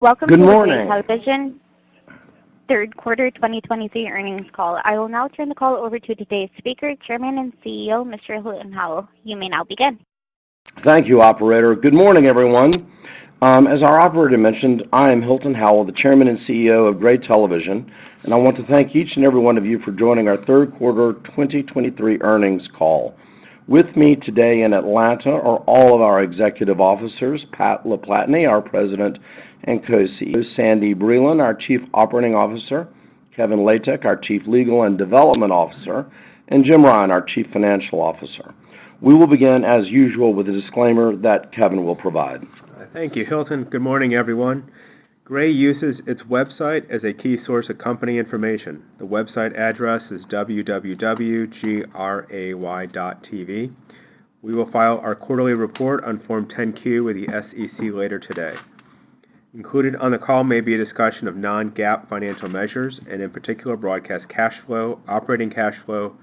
Welcome to Gray Television third quarter 2023 Earnings Call. I will now turn the call over to today's speaker, Chairman and CEO, Mr. Hilton Howell. You may now begin. Thank you, operator. Good morning, everyone. As our operator mentioned, I am Hilton Howell, the Chairman and CEO of Gray Television, and I want to thank each and every one of you for joining our third quarter 2023 earnings call. With me today in Atlanta are all of our executive officers, Pat LaPlatney, our President and Co-CEO, Sandy Breland, our Chief Operating Officer, Kevin Latek, our Chief Legal and Development Officer, and Jim Ryan, our Chief Financial Officer. We will begin, as usual, with a disclaimer that Kevin will provide. Thank you, Hilton. Good morning, everyone. Gray uses its website as a key source of company information. The website address is www.gray.tv. We will file our quarterly report on Form 10-Q with the SEC later today. Included on the call may be a discussion of non-GAAP financial measures and in particular, broadcast cash flow, operating cash flow,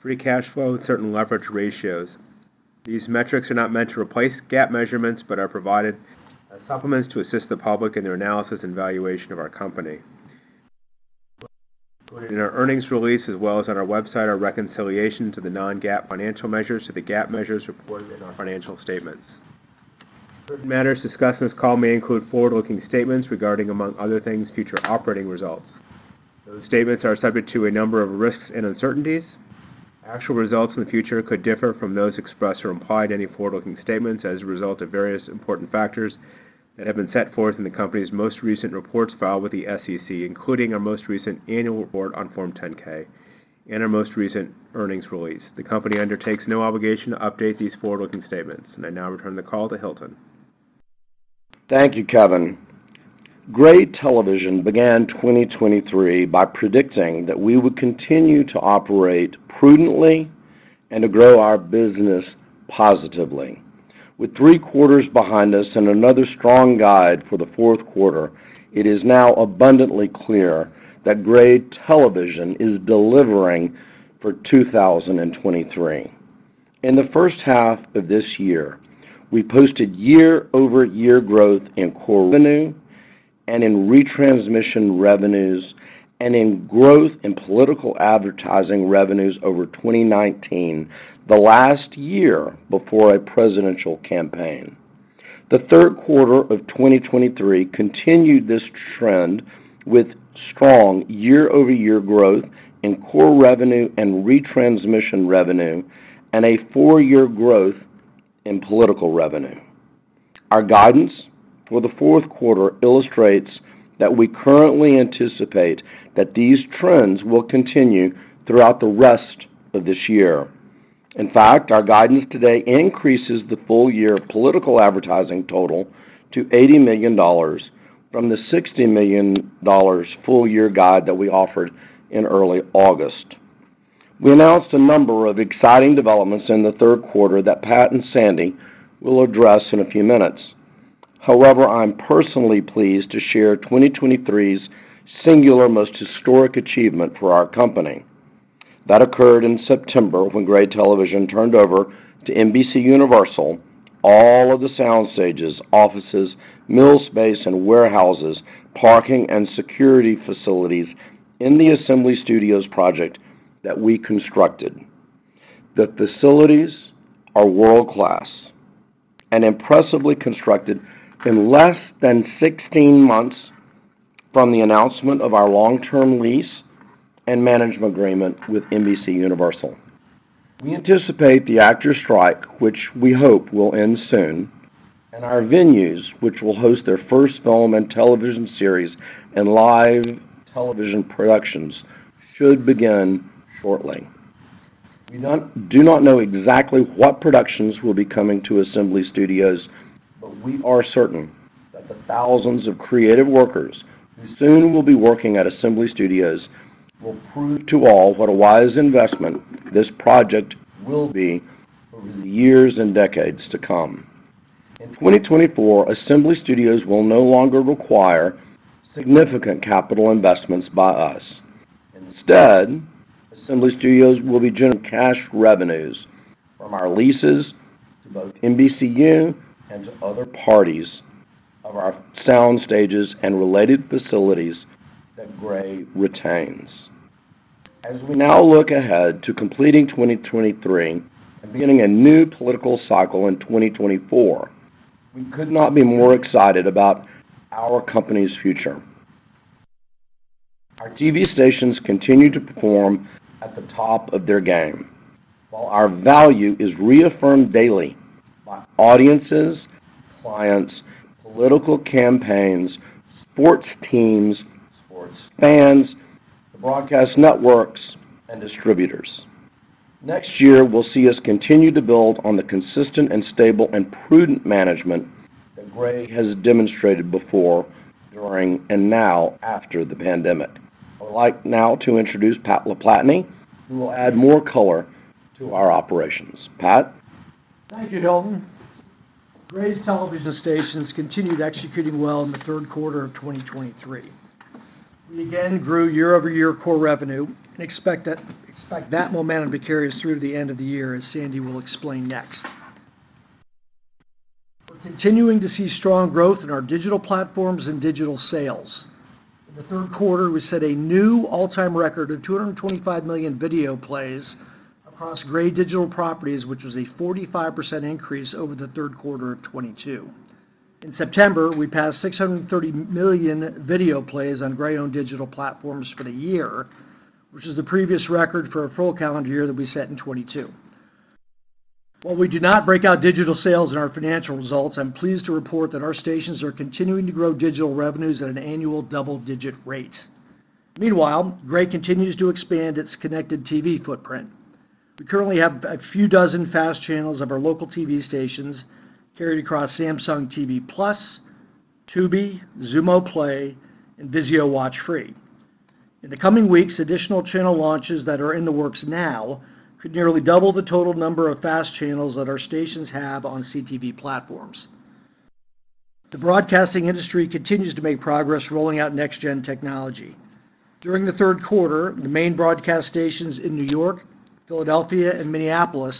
free cash flow, and certain leverage ratios. These metrics are not meant to replace GAAP measurements, but are provided as supplements to assist the public in their analysis and valuation of our company. In our earnings release, as well as on our website, our reconciliation to the non-GAAP financial measures, to the GAAP measures reported in our financial statements. Certain matters discussed in this call may include forward-looking statements regarding, among other things, future operating results. Those statements are subject to a number of risks and uncertainties. Actual results in the future could differ from those expressed or implied in any forward-looking statements as a result of various important factors that have been set forth in the company's most recent reports filed with the SEC, including our most recent annual report on Form 10-K and our most recent earnings release. The company undertakes no obligation to update these forward-looking statements. I now return the call to Hilton. Thank you, Kevin. Gray Television began 2023 by predicting that we would continue to operate prudently and to grow our business positively. With 3 quarters behind us and another strong guide for the fourth quarter, it is now abundantly clear that Gray Television is delivering for 2023. In the first half of this year, we posted year-over-year growth in core revenue and in retransmission revenues, and in growth in political advertising revenues over 2019, the last year before a presidential campaign. The third quarter of 2023 continued this trend with strong year-over-year growth in core revenue and retransmission revenue, and a four-year growth in political revenue. Our guidance for the fourth quarter illustrates that we currently anticipate that these trends will continue throughout the rest of this year. In fact, our guidance today increases the full year political advertising total to $80 million from the $60 million full year guide that we offered in early August. We announced a number of exciting developments in the third quarter that Pat and Sandy will address in a few minutes. However, I'm personally pleased to share 2023's singular, most historic achievement for our company. That occurred in September, when Gray Television turned over to NBCUniversal, all of the soundstages, offices, mill space and warehouses, parking and security facilities in the Assembly Studios project that we constructed. The facilities are world-class and impressively constructed in less than 16 months from the announcement of our long-term lease and management agreement with NBCUniversal. We anticipate the actors strike, which we hope will end soon, and our venues, which will host their first film and television series and live television productions, should begin shortly. We do not know exactly what productions will be coming to Assembly Studios, but we are certain that the thousands of creative workers who soon will be working at Assembly Studios will prove to all what a wise investment this project will be over the years and decades to come. In 2024, Assembly Studios will no longer require significant capital investments by us. Instead, Assembly Studios will be generating cash revenues from our leases to both NBCU and to other parties of our soundstages and related facilities that Gray retains. As we now look ahead to completing 2023 and beginning a new political cycle in 2024, we could not be more excited about our company's future. Our TV stations continue to perform at the top of their game, while our value is reaffirmed daily by audiences, clients, political campaigns, sports teams, sports fans, the broadcast networks, and distributors. Next year will see us continue to build on the consistent and stable and prudent management that Gray has demonstrated before, during, and now after the pandemic. I'd like now to introduce Pat LaPlatney, who will add more color to our operations. Pat? Thank you, Hilton. Gray's television stations continued executing well in the third quarter of 2023. We again grew year-over-year core revenue, and expect that, expect that momentum to carry us through to the end of the year, as Sandy will explain next. We're continuing to see strong growth in our digital platforms and digital sales. In the third quarter, we set a new all-time record of 225 million video plays across Gray digital properties, which was a 45% increase over the third quarter of 2022. In September, we passed 630 million video plays on Gray-owned digital platforms for the year, which is the previous record for a full calendar year that we set in 2022. While we do not break out digital sales in our financial results, I'm pleased to report that our stations are continuing to grow digital revenues at an annual double-digit rate. Meanwhile, Gray continues to expand its Connected TV footprint. We currently have a few dozen FAST channels of our local TV stations carried across Samsung TV Plus, Tubi, Xumo Play, and Vizio WatchFree. In the coming weeks, additional channel launches that are in the works now could nearly double the total number of FAST channels that our stations have on CTV platforms. The broadcasting industry continues to make progress rolling out next-gen technology. During the third quarter, the main broadcast stations in New York, Philadelphia, and Minneapolis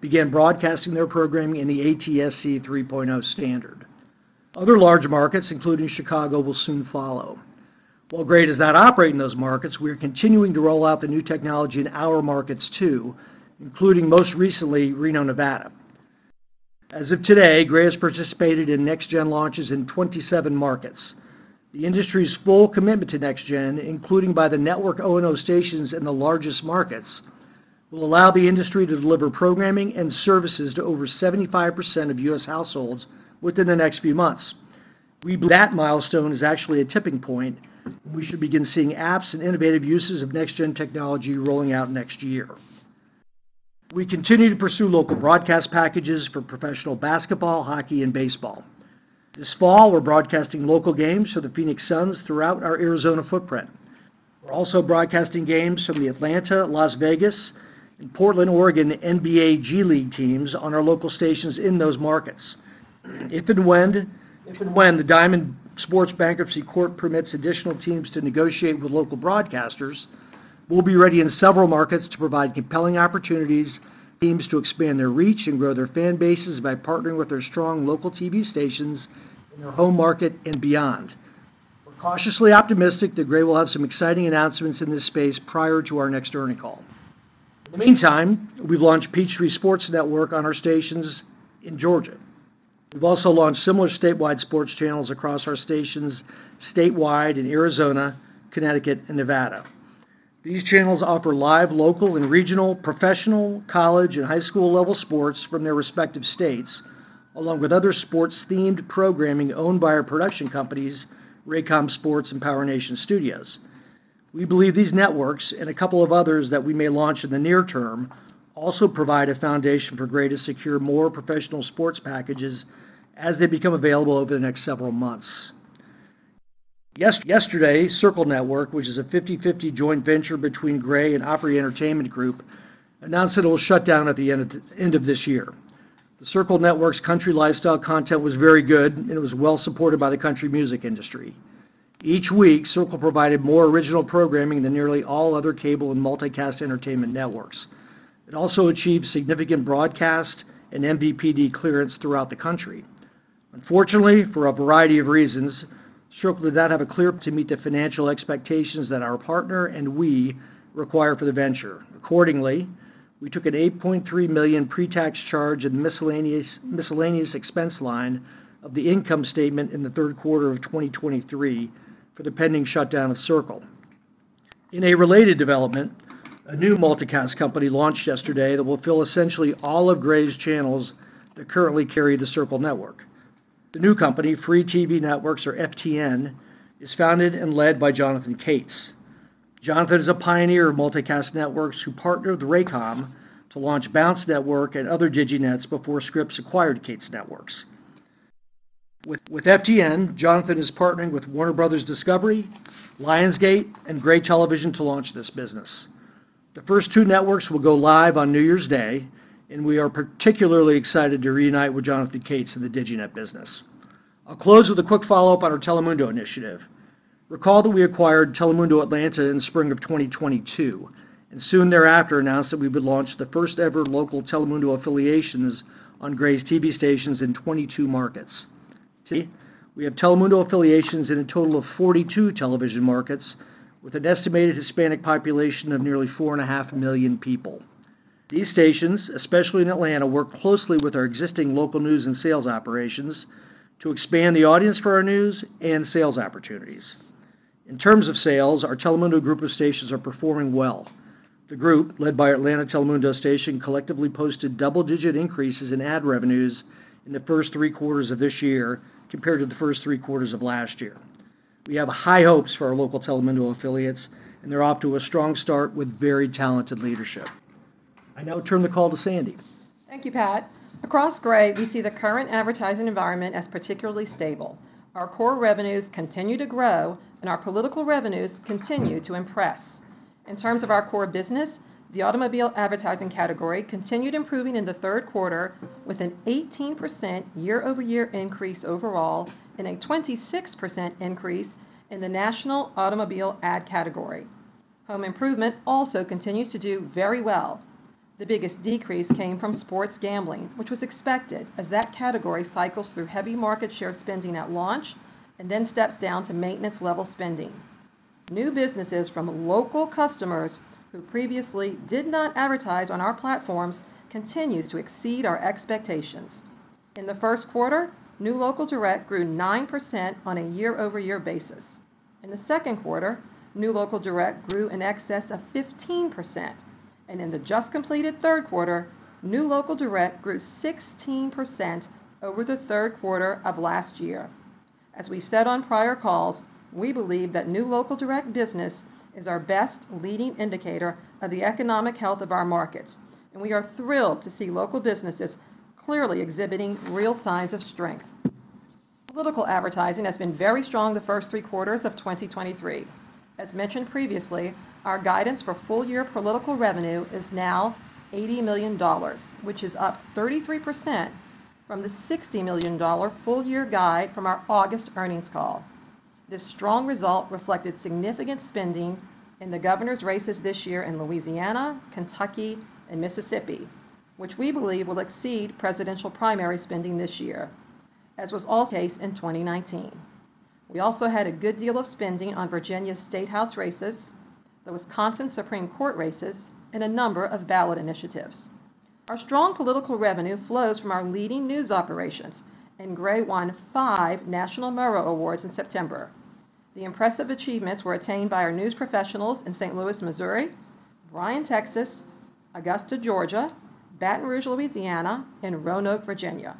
began broadcasting their programming in the ATSC 3.0 standard. Other large markets, including Chicago, will soon follow. While Gray does not operate in those markets, we are continuing to roll out the new technology in our markets, too, including, most recently, Reno, Nevada. As of today, Gray has participated in next-gen launches in 27 markets. The industry's full commitment to next-gen, including by the network O&O stations in the largest markets, will allow the industry to deliver programming and services to over 75% of U.S. households within the next few months. We believe that milestone is actually a tipping point, and we should begin seeing apps and innovative uses of next-gen technology rolling out next year. We continue to pursue local broadcast packages for professional basketball, hockey, and baseball. This fall, we're broadcasting local games for the Phoenix Suns throughout our Arizona footprint. We're also broadcasting games from the Atlanta, Las Vegas, and Portland, Oregon, NBA G League teams on our local stations in those markets. If and when, if and when the Diamond Sports bankruptcy court permits additional teams to negotiate with local broadcasters, we'll be ready in several markets to provide compelling opportunities for teams to expand their reach and grow their fan bases by partnering with their strong local TV stations in their home market and beyond. We're cautiously optimistic that Gray will have some exciting announcements in this space prior to our next earnings call. In the meantime, we've launched Peachtree Sports Network on our stations in Georgia. We've also launched similar statewide sports channels across our stations statewide in Arizona, Connecticut, and Nevada. These channels offer live, local, and regional, professional, college, and high school-level sports from their respective states, along with other sports-themed programming owned by our production companies, Raycom Sports and PowerNation Studios. We believe these networks and a couple of others that we may launch in the near term, also provide a foundation for Gray to secure more professional sports packages as they become available over the next several months. Yes, yesterday, Circle Network, which is a 50/50 joint venture between Gray and Opry Entertainment Group, announced that it will shut down at the end of this year. The Circle Network's country lifestyle content was very good, and it was well-supported by the country music industry. Each week, Circle provided more original programming than nearly all other cable and multicast entertainment networks. It also achieved significant broadcast and MVPD clearance throughout the country. Unfortunately, for a variety of reasons, Circle did not have a clear path to meet the financial expectations that our partner and we required for the venture. Accordingly, we took an $8.3 million pre-tax charge in the miscellaneous expense line of the income statement in the third quarter of 2023 for the pending shutdown of Circle. In a related development, a new multicast company launched yesterday that will fill essentially all of Gray's channels that currently carry the Circle network. The new company, Free TV Networks, or FTN, is founded and led by Jonathan Katz. Jonathan is a pioneer of multicast networks who partnered with Raycom to launch Bounce Network and other diginets before Scripps acquired Katz Networks. With FTN, Jonathan is partnering with Warner Bros. Discovery, Lionsgate, and Gray Television to launch this business. The first two networks will go live on New Year's Day, and we are particularly excited to reunite with Jonathan Katz in the diginet business. I'll close with a quick follow-up on our Telemundo initiative. Recall that we acquired Telemundo Atlanta in spring of 2022, and soon thereafter announced that we would launch the first-ever local Telemundo affiliations on Gray's TV stations in 22 markets. Today, we have Telemundo affiliations in a total of 42 television markets with an estimated Hispanic population of nearly 4.5 million people. These stations, especially in Atlanta, work closely with our existing local news and sales operations to expand the audience for our news and sales opportunities. In terms of sales, our Telemundo group of stations are performing well. The group, led by our Atlanta Telemundo station, collectively posted double-digit increases in ad revenues in the first three quarters of this year compared to the first three quarters of last year. We have high hopes for our local Telemundo affiliates, and they're off to a strong start with very talented leadership. I now turn the call to Sandy. Thank you, Pat. Across Gray, we see the current advertising environment as particularly stable. Our core revenues continue to grow, and our political revenues continue to impress. In terms of our core business, the automobile advertising category continued improving in the third quarter with an 18% year-over-year increase overall and a 26% increase in the national automobile ad category. Home improvement also continues to do very well. The biggest decrease came from sports gambling, which was expected, as that category cycles through heavy market share spending at launch and then steps down to maintenance level spending. New businesses from local customers who previously did not advertise on our platforms continued to exceed our expectations. In the new local direct grew 9% on a year-over-year basis. In the new local direct grew in excess of 15%, and in the just completed new local direct grew 16% over the third quarter of last year. As we said on prior calls, we new local direct business is our best leading indicator of the economic health of our markets, and we are thrilled to see local businesses clearly exhibiting real signs of strength. Political advertising has been very strong the first three quarters of 2023. As mentioned previously, our guidance for full year political revenue is now $80 million, which is up 33% from the $60 million full year guide from our August earnings call. This strong result reflected significant spending in the governor's races this year in Louisiana, Kentucky, and Mississippi, which we believe will exceed presidential primary spending this year, as was also the case in 2019. We also had a good deal of spending on Virginia State House races, the Wisconsin Supreme Court races, and a number of ballot initiatives. Our strong political revenue flows from our leading news operations, and Gray won five national Murrow Awards in September. The impressive achievements were attained by our news professionals in St. Louis, Missouri, Bryan, Texas, Augusta, Georgia, Baton Rouge, Louisiana, and Roanoke, Virginia.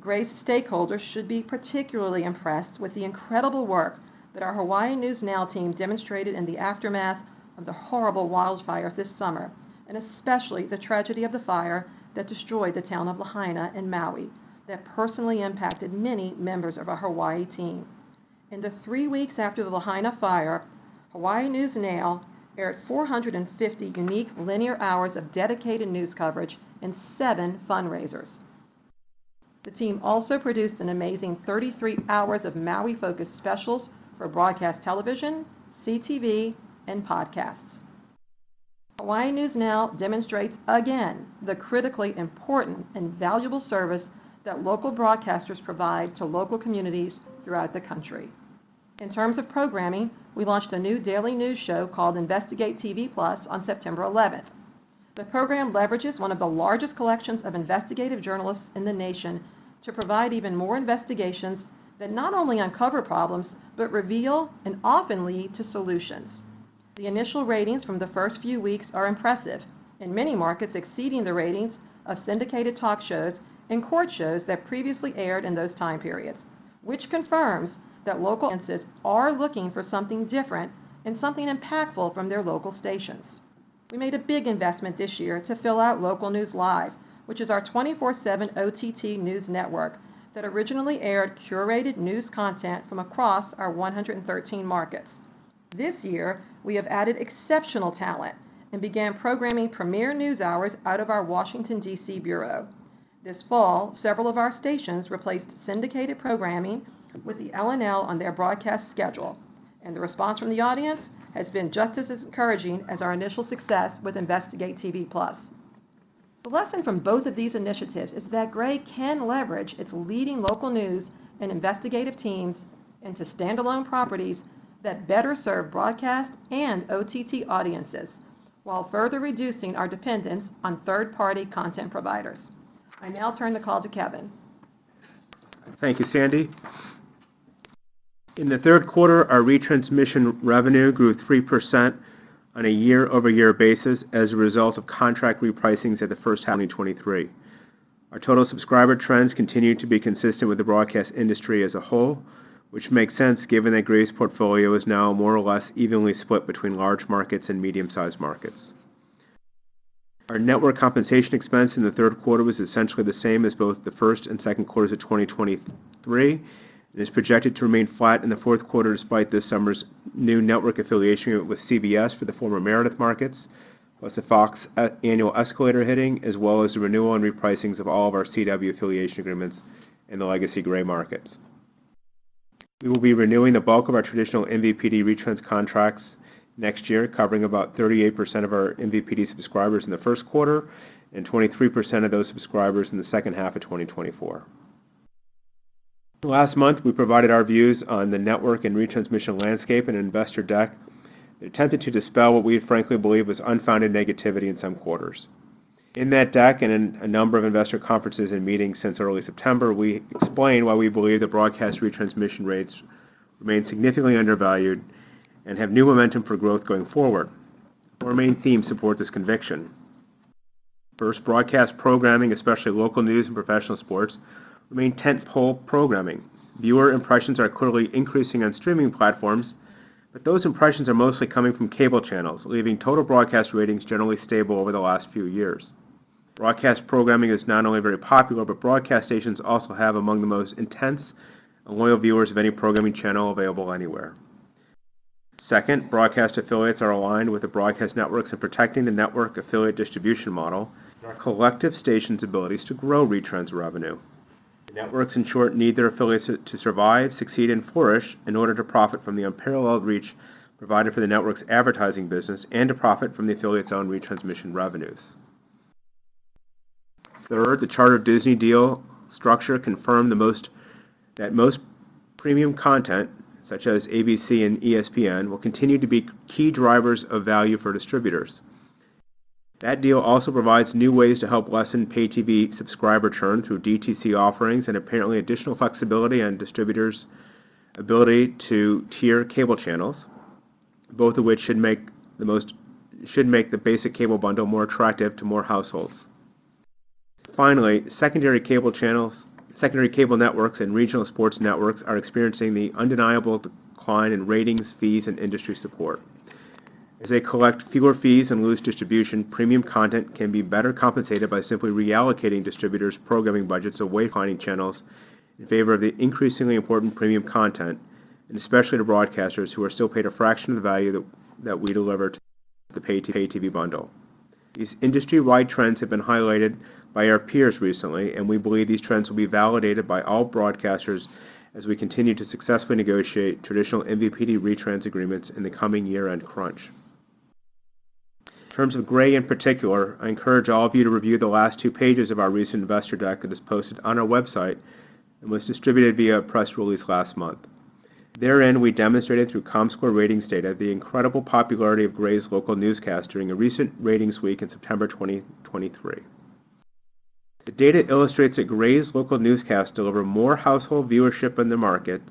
Gray stakeholders should be particularly impressed with the incredible work that our Hawaii News Now team demonstrated in the aftermath of the horrible wildfires this summer, and especially the tragedy of the fire that destroyed the town of Lahaina, Maui, that personally impacted many members of our Hawaii team. In the three weeks after the Lahaina fire, Hawaii News Now aired 450 unique linear hours of dedicated news coverage and seven fundraisers. The team also produced an amazing 33 hours of Maui-focused specials for broadcast television, CTV, and podcasts. Hawaii News Now demonstrates, again, the critically important and valuable service that local broadcasters provide to local communities throughout the country. In terms of programming, we launched a new daily news show called InvestigateTV+ on September 11. The program leverages one of the largest collections of investigative journalists in the nation to provide even more investigations that not only uncover problems, but reveal and often lead to solutions. The initial ratings from the first few weeks are impressive. In many markets, exceeding the ratings of syndicated talk shows and court shows that previously aired in those time periods, which confirms that local audiences are looking for something different and something impactful from their local stations. We made a big investment this year to fill out Local News Live, which is our 24/7 OTT news network that originally aired curated news content from across our 113 markets. This year, we have added exceptional talent and began programming premier news hours out of our Washington, D.C. bureau. This fall, several of our stations replaced syndicated programming with the LNL on their broadcast schedule, and the response from the audience has been just as encouraging as our initial success with InvestigateTV+. The lesson from both of these initiatives is that Gray can leverage its leading local news and investigative teams into standalone properties that better serve broadcast and OTT audiences, while further reducing our dependence on third-party content providers. I now turn the call to Kevin. Thank you, Sandy. In the third quarter, our retransmission revenue grew 3% on a year-over-year basis as a result of contract repricings at the first half of 2023. Our total subscriber trends continued to be consistent with the broadcast industry as a whole, which makes sense given that Gray's portfolio is now more or less evenly split between large markets and medium-sized markets. Our network compensation expense in the third quarter was essentially the same as both the first and second quarters of 2023, and is projected to remain flat in the fourth quarter, despite this summer's new network affiliation with CBS for the former Meredith markets, plus the Fox annual escalator hitting, as well as the renewal and repricings of all of our CW affiliation agreements in the legacy Gray markets. We will be renewing the bulk of our traditional MVPD retrans contracts next year, covering about 38% of our MVPD subscribers in the first quarter and 23% of those subscribers in the second half of 2024. Last month, we provided our views on the network and retransmission landscape and investor deck, attempted to dispel what we frankly believe was unfounded negativity in some quarters. In that deck and in a number of investor conferences and meetings since early September, we explained why we believe the broadcast retransmission rates remain significantly undervalued and have new momentum for growth going forward. Our main themes support this conviction. First, broadcast programming, especially local news and professional sports, remain tent-pole programming. Viewer impressions are clearly increasing on streaming platforms, but those impressions are mostly coming from cable channels, leaving total broadcast ratings generally stable over the last few years. Broadcast programming is not only very popular, but broadcast stations also have among the most intense and loyal viewers of any programming channel available anywhere. Second, broadcast affiliates are aligned with the broadcast networks of protecting the network affiliate distribution model and our collective stations' abilities to grow retrans revenue. The networks, in short, need their affiliates to survive, succeed, and flourish in order to profit from the unparalleled reach provided for the network's advertising business and to profit from the affiliates' own retransmission revenues. Third, the Charter-Disney deal structure confirmed that most premium content, such as ABC and ESPN, will continue to be key drivers of value for distributors. That deal also provides new ways to help lessen pay TV subscriber churn through DTC offerings and apparently additional flexibility and distributors' ability to tier cable channels, both of which should make the basic cable bundle more attractive to more households. Finally, secondary cable channels, secondary cable networks, and regional sports networks are experiencing the undeniable decline in ratings, fees, and industry support. As they collect fewer fees and lose distribution, premium content can be better compensated by simply reallocating distributors' programming budgets away finding channels in favor of the increasingly important premium content, and especially to broadcasters who are still paid a fraction of the value that we deliver to the pay TV bundle. These industry-wide trends have been highlighted by our peers recently, and we believe these trends will be validated by all broadcasters as we continue to successfully negotiate traditional MVPD retrans agreements in the coming year-end crunch. In terms of Gray in particular, I encourage all of you to review the last 2 pages of our recent investor deck that is posted on our website and was distributed via a press release last month. Therein, we demonstrated through Comscore ratings data, the incredible popularity of Gray's local newscast during a recent ratings week in September 2023. The data illustrates that Gray's local newscast deliver more household viewership in the market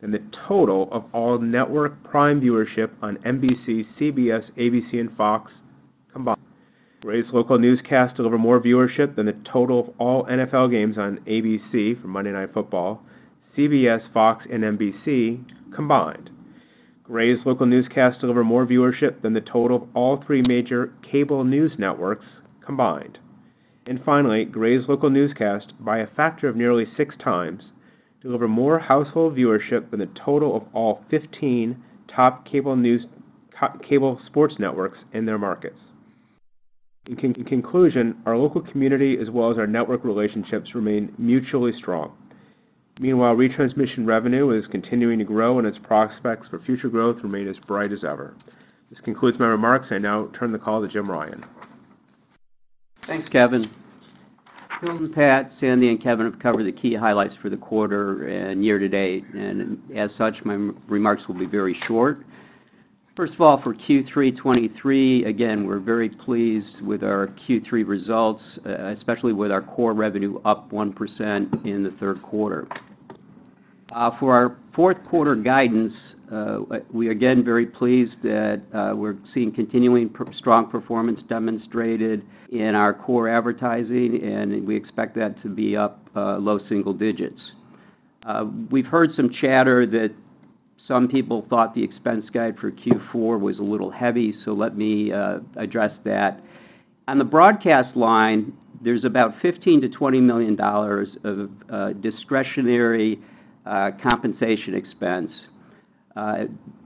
than the total of all network prime viewership on NBC, CBS, ABC, and Fox combined. Gray's local newscast deliver more viewership than the total of all NFL games on ABC, for Monday Night Football, CBS, Fox, and NBC combined. Gray's local newscasts deliver more viewership than the total of all 3 major cable news networks combined. Finally, Gray's local newscasts, by a factor of nearly 6 times, deliver more household viewership than the total of all 15 top cable sports networks in their markets. In conclusion, our local community, as well as our network relationships, remain mutually strong. Meanwhile, retransmission revenue is continuing to grow, and its prospects for future growth remain as bright as ever. This concludes my remarks. I now turn the call to Jim Ryan. Thanks, Kevin. Hilton, Pat, Sandy, and Kevin have covered the key highlights for the quarter and year-to-date, and as such, my remarks will be very short. First of all, for Q3 2023, again, we're very pleased with our Q3 results, especially with our core revenue up 1% in the third quarter. For our fourth quarter guidance, we are again very pleased that we're seeing continuing strong performance demonstrated in our core advertising, and we expect that to be up low single digits. We've heard some chatter that some people thought the expense guide for Q4 was a little heavy, so let me address that. On the broadcast line, there's about $15 million-$20 million of discretionary compensation expense.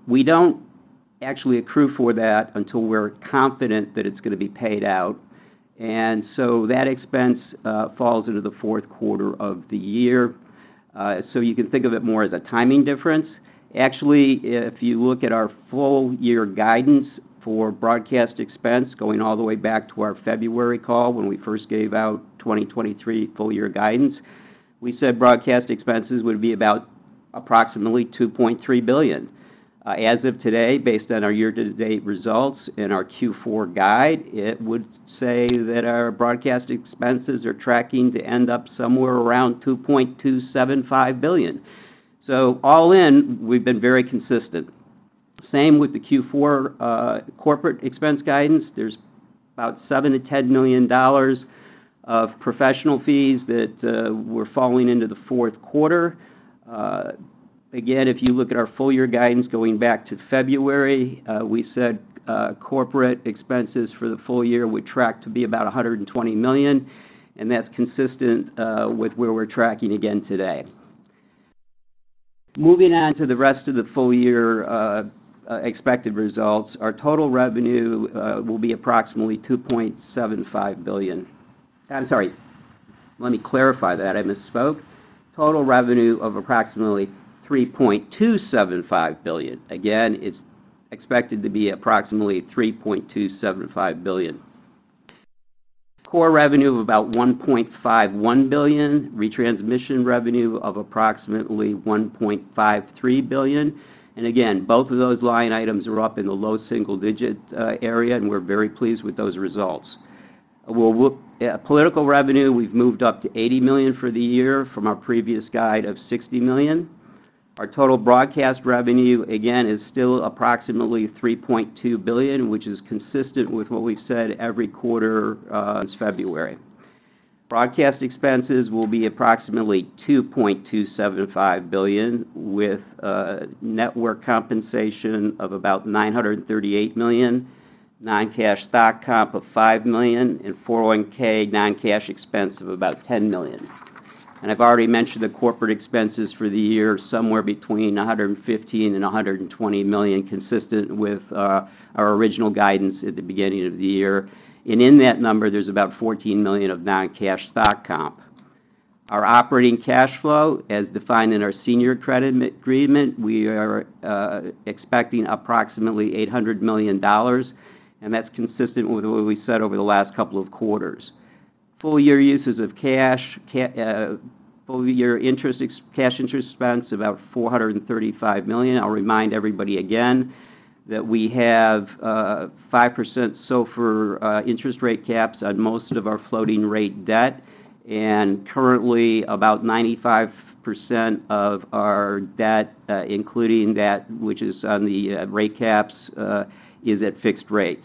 We don't actually accrue for that until we're confident that it's going to be paid out. So that expense falls into the fourth quarter of the year. So you can think of it more as a timing difference. Actually, if you look at our full year guidance for broadcast expense, going all the way back to our February call, when we first gave out 2023 full year guidance, we said broadcast expenses would be about approximately $2.3 billion. As of today, based on our year-to-date results and our Q4 guide, it would say that our broadcast expenses are tracking to end up somewhere around $2.275 billion. So all in, we've been very consistent. Same with the Q4 corporate expense guidance. There's about $7 million-$10 million of professional fees that were falling into the fourth quarter. Again, if you look at our full year guidance, going back to February, we said, corporate expenses for the full year would track to be about $120 million, and that's consistent, with where we're tracking again today. Moving on to the rest of the full year expected results. Our total revenue will be approximately $2.75 billion. I'm sorry, let me clarify that. I misspoke. Total revenue of approximately $3.275 billion. Again, it's expected to be approximately $3.275 billion. Core revenue of about $1.51 billion, retransmission revenue of approximately $1.53 billion. Again, both of those line items are up in the low single digit area, and we're very pleased with those results. Well, political revenue, we've moved up to $80 million for the year from our previous guide of $60 million. Our total broadcast revenue, again, is still approximately $3.2 billion, which is consistent with what we've said every quarter since February. Broadcast expenses will be approximately $2.275 billion, with network compensation of about $938 million, non-cash stock comp of $5 million, and 401(k) non-cash expense of about $10 million. And I've already mentioned the corporate expenses for the year, somewhere between $115 million and $120 million, consistent with our original guidance at the beginning of the year. And in that number, there's about $14 million of non-cash stock comp. Our operating cash flow, as defined in our senior credit agreement, we are expecting approximately $800 million, and that's consistent with what we said over the last couple of quarters. Full year uses of cash, full year cash interest expense, about $435 million. I'll remind everybody again that we have 5% SOFR interest rate caps on most of our floating rate debt, and currently, about 95% of our debt, including debt which is on the rate caps, is at fixed rates.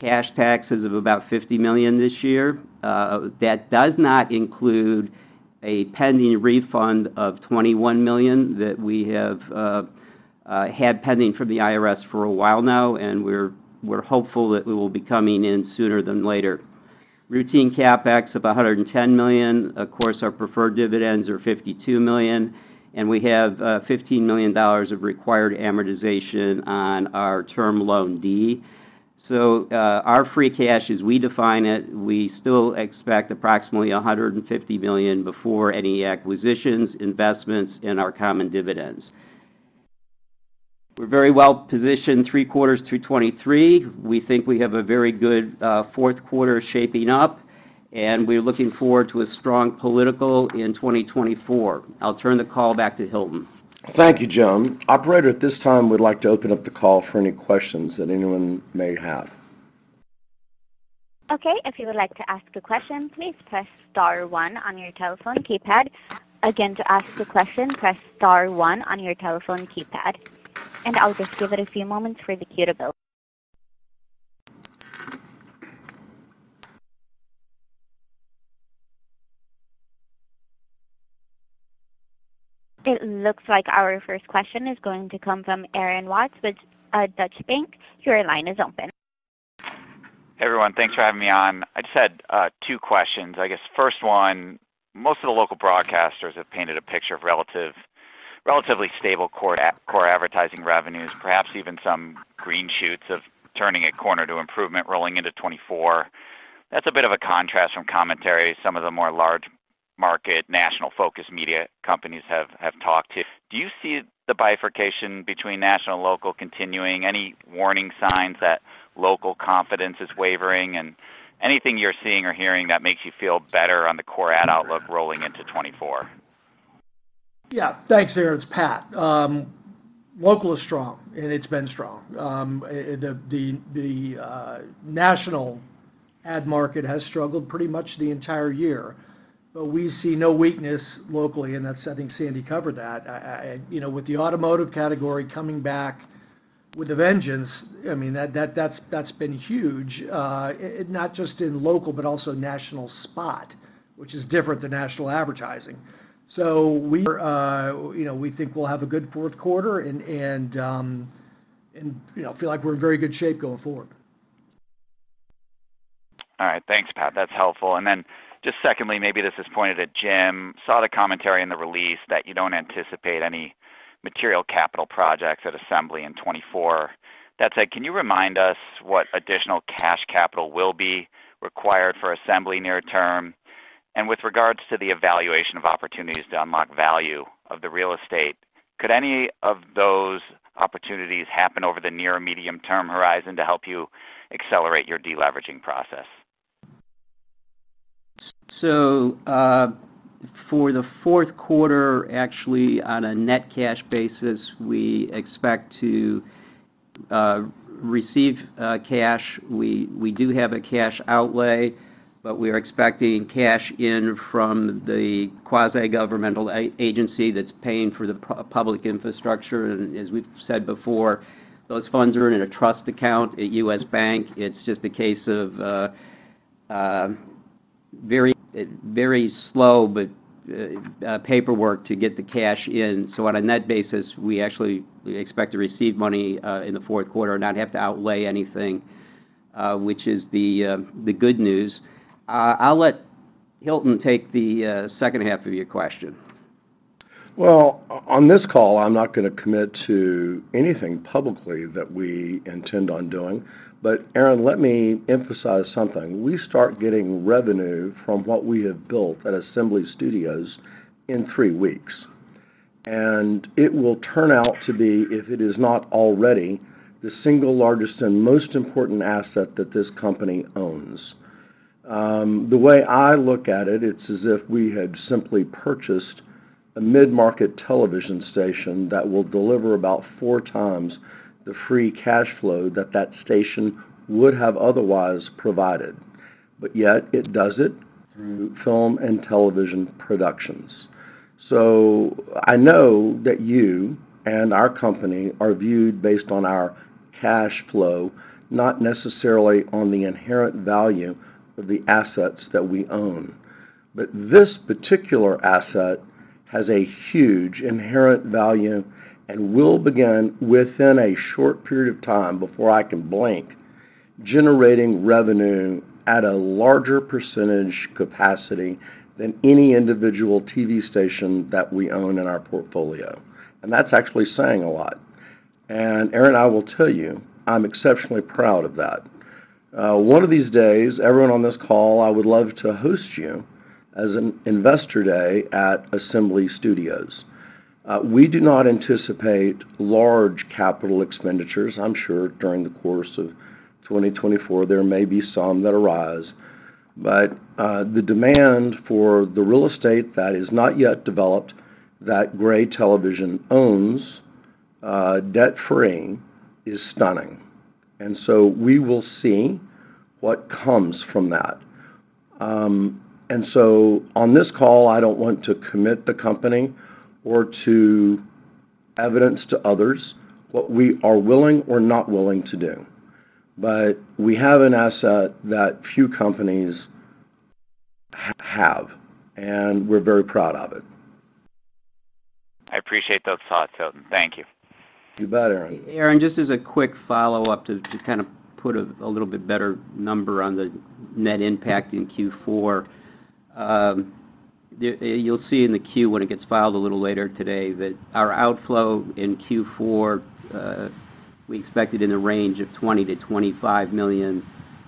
Cash taxes of about $50 million this year. That does not include a pending refund of $21 million that we have had pending from the IRS for a while now, and we're hopeful that we will be coming in sooner than later. Routine CapEx of $110 million. Of course, our preferred dividends are $52 million, and we have $15 million of required amortization on our Term Loan D. So, our free cash, as we define it, we still expect approximately $150 million before any acquisitions, investments, and our common dividends. We're very well positioned three quarters through 2023. We think we have a very good fourth quarter shaping up, and we're looking forward to a strong political in 2024. I'll turn the call back to Hilton. Thank you, Jim. Operator, at this time, we'd like to open up the call for any questions that anyone may have. Okay, if you would like to ask a question, please press star one on your telephone keypad. Again, to ask a question, press star one on your telephone keypad. And I'll just give it a few moments for the queue to build. It looks like our first question is going to come from Aaron Watts with Deutsche Bank. Your line is open. Hey, everyone. Thanks for having me on. I just had two questions. I guess, first one, most of the local broadcasters have painted a picture of relatively stable core ad, core advertising revenues, perhaps even some green shoots of turning a corner to improvement rolling into 2024. That's a bit of a contrast from commentary some of the more large market, national-focused media companies have talked to. Do you see the bifurcation between national and local continuing? Any warning signs that local confidence is wavering? And anything you're seeing or hearing that makes you feel better on the core ad outlook rolling into 2024? Yeah. Thanks, Aaron. It's Pat. Local is strong, and it's been strong. The national ad market has struggled pretty much the entire year, but we see no weakness locally, and that's something Sandy covered that. You know, with the automotive category coming back with a vengeance, I mean, that's been huge, not just in local but also national spot, which is different than national advertising. So you know, we think we'll have a good fourth quarter and, and, you know, feel like we're in very good shape going forward. All right. Thanks, Pat. That's helpful. And then just secondly, maybe this is pointed at Jim. Saw the commentary in the release that you don't anticipate any material capital projects at Assembly in 2024. That said, can you remind us what additional cash capital will be required for Assembly near term? And with regards to the evaluation of opportunities to unlock value of the real estate, could any of those opportunities happen over the near or medium-term horizon to help you accelerate your deleveraging process? So, for the fourth quarter, actually, on a net cash basis, we expect to receive cash. We do have a cash outlay, but we are expecting cash in from the quasi-governmental agency that's paying for the public infrastructure. And as we've said before, those funds are in a trust account at U.S. Bank. It's just a case of very, very slow, but paperwork to get the cash in. So on a net basis, we actually expect to receive money in the fourth quarter, not have to outlay anything, which is the good news. I'll let Hilton take the second half of your question. Well, on this call, I'm not gonna commit to anything publicly that we intend on doing. But Aaron, let me emphasize something. We start getting revenue from what we have built at Assembly Studios in three weeks, and it will turn out to be, if it is not already, the single largest and most important asset that this company owns. The way I look at it, it's as if we had simply purchased a mid-market television station that will deliver about four times the free cash flow that that station would have otherwise provided. But yet, it does it through film and television productions.... So I know that you and our company are viewed based on our cash flow, not necessarily on the inherent value of the assets that we own. But this particular asset has a huge inherent value and will begin, within a short period of time, before I can blink, generating revenue at a larger percentage capacity than any individual TV station that we own in our portfolio. And that's actually saying a lot. And, Aaron, I will tell you, I'm exceptionally proud of that. One of these days, everyone on this call, I would love to host you as an investor day at Assembly Studios. We do not anticipate large capital expenditures. I'm sure during the course of 2024, there may be some that arise, but the demand for the real estate that is not yet developed, that Gray Television owns, debt-free, is stunning. And so we will see what comes from that. And so on this call, I don't want to commit the company or to evince to others what we are willing or not willing to do. But we have an asset that few companies have, and we're very proud of it. I appreciate those thoughts, Hilton. Thank you. You bet, Aaron. Aaron, just as a quick follow-up to, to kind of put a, a little bit better number on the net impact in Q4. The, you'll see in the Q, when it gets filed a little later today, that our outflow in Q4, we expected in the range of $20-$25 million,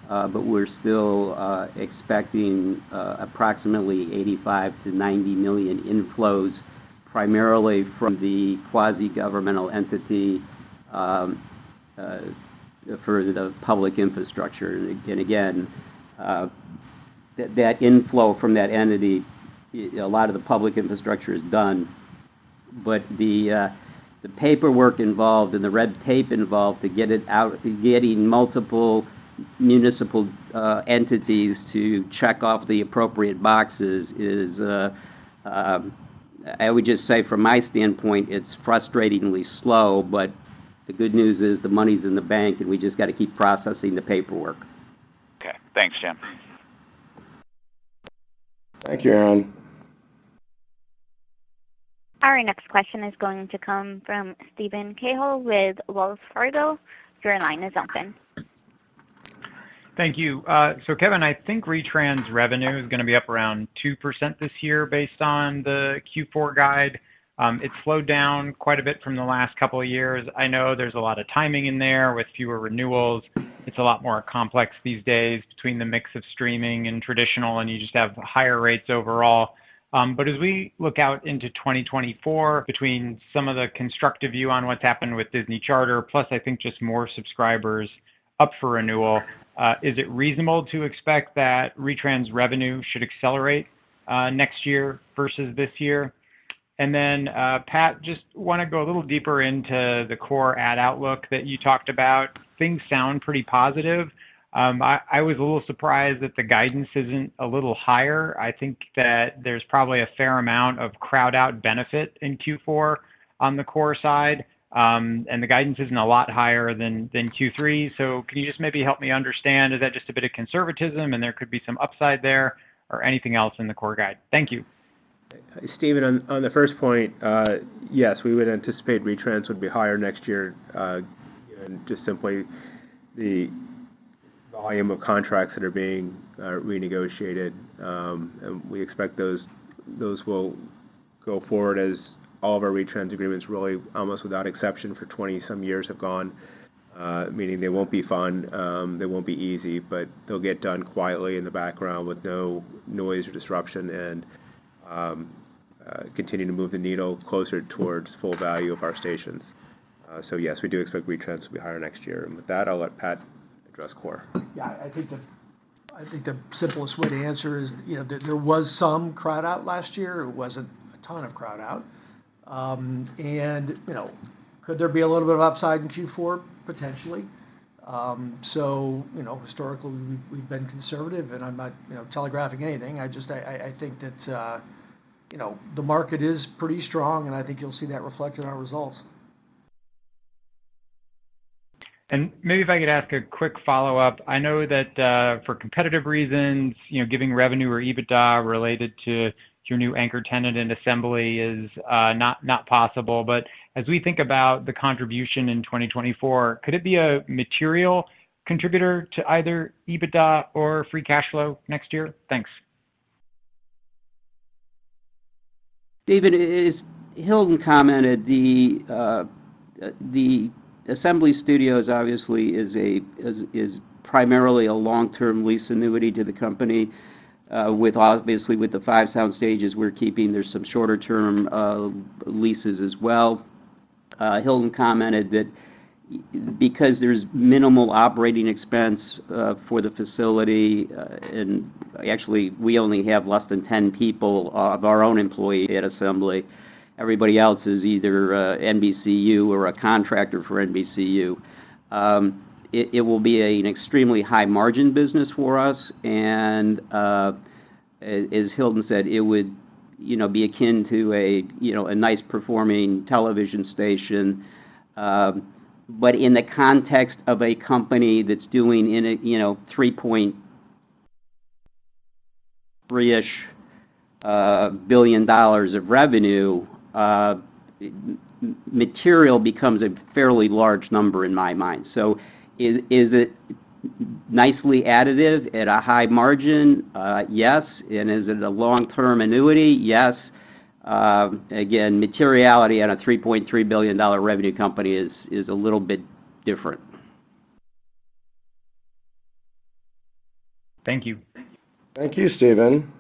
but we're still, expecting, approximately $85-$90 million inflows, primarily from the quasi-governmental entity, for the public infrastructure. And again, that inflow from that entity, you know, a lot of the public infrastructure is done, but the paperwork involved and the red tape involved to get it out to getting multiple municipal entities to check off the appropriate boxes is, I would just say, from my standpoint, it's frustratingly slow, but the good news is the money's in the bank, and we just gotta keep processing the paperwork. Okay. Thanks, Jim. Thank you, Aaron. Our next question is going to come from Steven Cahall with Wells Fargo. Your line is open. Thank you. So Kevin, I think Retrans revenue is gonna be up around 2% this year based on the Q4 guide. It slowed down quite a bit from the last couple of years. I know there's a lot of timing in there with fewer renewals. It's a lot more complex these days between the mix of streaming and traditional, and you just have higher rates overall. But as we look out into 2024, between some of the constructive view on what's happened with Disney Charter, plus, I think just more subscribers up for renewal, is it reasonable to expect that Retrans revenue should accelerate, next year versus this year? And then, Pat, just wanna go a little deeper into the core ad outlook that you talked about. Things sound pretty positive. I was a little surprised that the guidance isn't a little higher. I think that there's probably a fair amount of crowd-out benefit in Q4 on the core side, and the guidance isn't a lot higher than Q3. So can you just maybe help me understand, is that just a bit of conservatism, and there could be some upside there, or anything else in the core guide? Thank you. Steven, on the first point, yes, we would anticipate retrans would be higher next year, just simply the volume of contracts that are being renegotiated. And we expect those, those will go forward as all of our retrans agreements, really, almost without exception, for 20-some years have gone. Meaning they won't be fun, they won't be easy, but they'll get done quietly in the background with no noise or disruption, and continue to move the needle closer towards full value of our stations. So yes, we do expect retrans to be higher next year. And with that, I'll let Pat address core. Yeah, I think the simplest way to answer is, you know, there was some crowd out last year. It wasn't a ton of crowd out. And, you know, could there be a little bit of upside in Q4? Potentially. So, you know, historically, we've been conservative, and I'm not, you know, telegraphing anything. I just think that, you know, the market is pretty strong, and I think you'll see that reflected in our results. Maybe if I could ask a quick follow-up. I know that, for competitive reasons, you know, giving revenue or EBITDA related to your new anchor tenant and Assembly is, not, not possible. But as we think about the contribution in 2024, could it be a material contributor to either EBITDA or free cash flow next year? Thanks. David, as Hilton commented, the Assembly Studios obviously is primarily a long-term lease annuity to the company, with obviously, with the 5 sound stages we're keeping, there's some shorter term leases as well. Hilton commented that because there's minimal operating expense for the facility, and actually, we only have less than 10 people of our own employee at Assembly... everybody else is either NBCU or a contractor for NBCU. It will be an extremely high margin business for us, and, as Hilton said, it would, you know, be akin to a, you know, a nice performing television station. But in the context of a company that's doing in a, you know, $3.3 billion-ish of revenue, material becomes a fairly large number in my mind. So, is it nicely additive at a high margin? Yes. And is it a long-term annuity? Yes. Again, materiality at a $3.3 billion revenue company is a little bit different. Thank you. Thank you, Steven.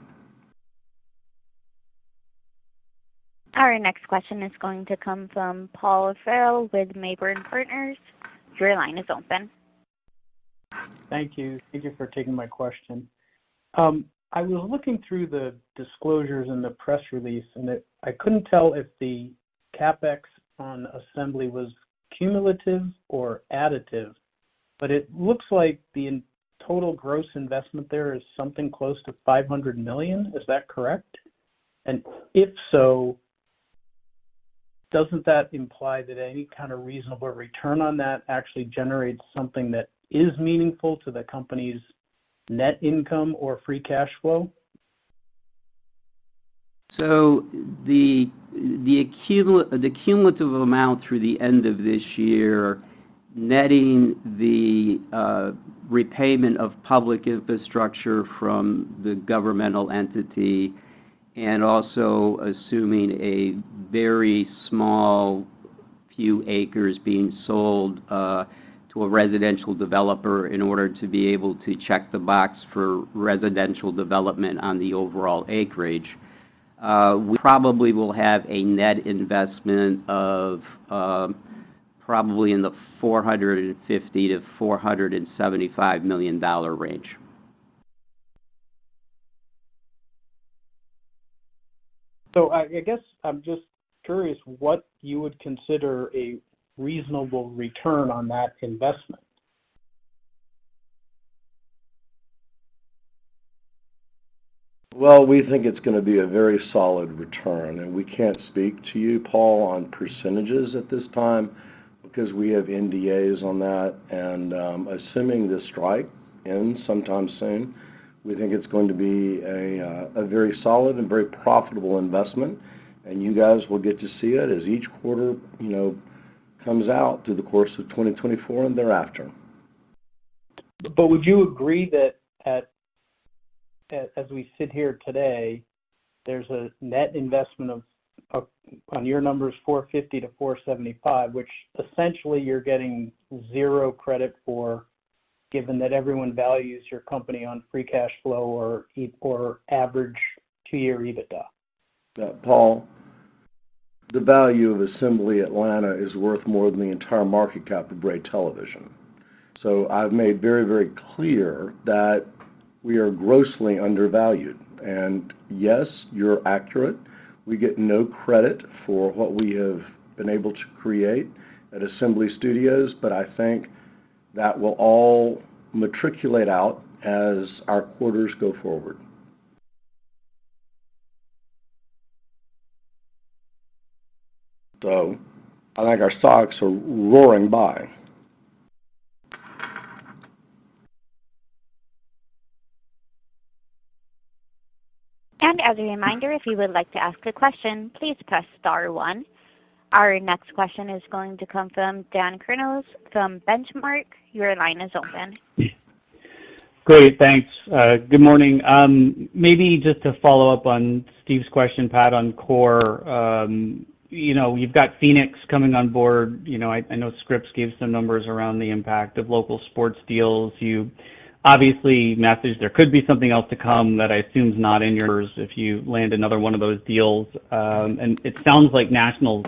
Our next question is going to come from Paul Farrell with Marathon Partners. Your line is open. Thank you. Thank you for taking my question. I was looking through the disclosures in the press release, and it, I couldn't tell if the CapEx on Assembly was cumulative or additive, but it looks like the total gross investment there is something close to $500 million. Is that correct? And if so, doesn't that imply that any kind of reasonable return on that actually generates something that is meaningful to the company's net income or free cash flow? So the cumulative amount through the end of this year, netting the repayment of public infrastructure from the governmental entity, and also assuming a very small few acres being sold to a residential developer in order to be able to check the box for residential development on the overall acreage, we probably will have a net investment of probably in the $450 million-$475 million range. I guess I'm just curious what you would consider a reasonable return on that investment. Well, we think it's gonna be a very solid return, and we can't speak to you, Paul, on percentages at this time because we have NDAs on that. And, assuming the strike ends sometime soon, we think it's going to be a very solid and very profitable investment, and you guys will get to see it as each quarter, you know, comes out through the course of 2024 and thereafter. But would you agree that as we sit here today, there's a net investment of on your numbers, $450-$475, which essentially you're getting zero credit for, given that everyone values your company on free cash flow or average two-year EBITDA? Paul, the value of Assembly Atlanta is worth more than the entire market cap of Gray Television. So I've made very, very clear that we are grossly undervalued. And yes, you're accurate, we get no credit for what we have been able to create at Assembly Studios, but I think that will all materialize out as our quarters go forward. So I think our stocks are roaring by. As a reminder, if you would like to ask a question, please press star one. Our next question is going to come from Dan Kurnos from Benchmark. Your line is open. Great, thanks. Good morning. Maybe just to follow up on Steve's question, Pat, on core. You know, you've got Phoenix coming on board. You know, I, I know Scripps gave some numbers around the impact of local sports deals. You obviously messaged there could be something else to come that I assume is not in your if you land another one of those deals. And it sounds like national's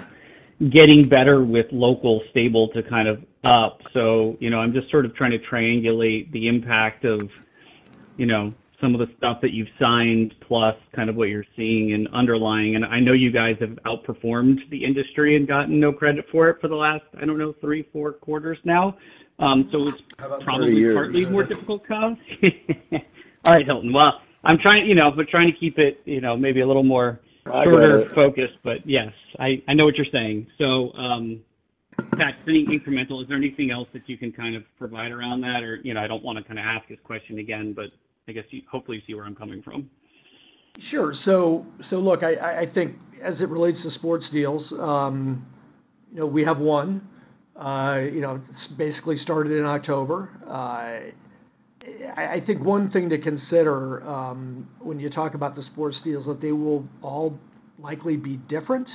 getting better with local stable to kind of up. So, you know, I'm just sort of trying to triangulate the impact of, you know, some of the stuff that you've signed, plus kind of what you're seeing and underlying. And I know you guys have outperformed the industry and gotten no credit for it for the last, I don't know, 3, 4 quarters now. So it's- How about 3 years? Probably partly more difficult to come. All right, Hilton. Well, I'm trying, you know, we're trying to keep it, you know, maybe a little more further focused. But yes, I, I know what you're saying. So, Pat, incremental, is there anything else that you can kind of provide around that? Or, you know, I don't wanna kinda ask this question again, but I guess, hopefully, you see where I'm coming from. Sure. So look, I think as it relates to sports deals, you know, we have one. You know, it's basically started in October. I think one thing to consider, when you talk about the sports deals, that they will all likely be different.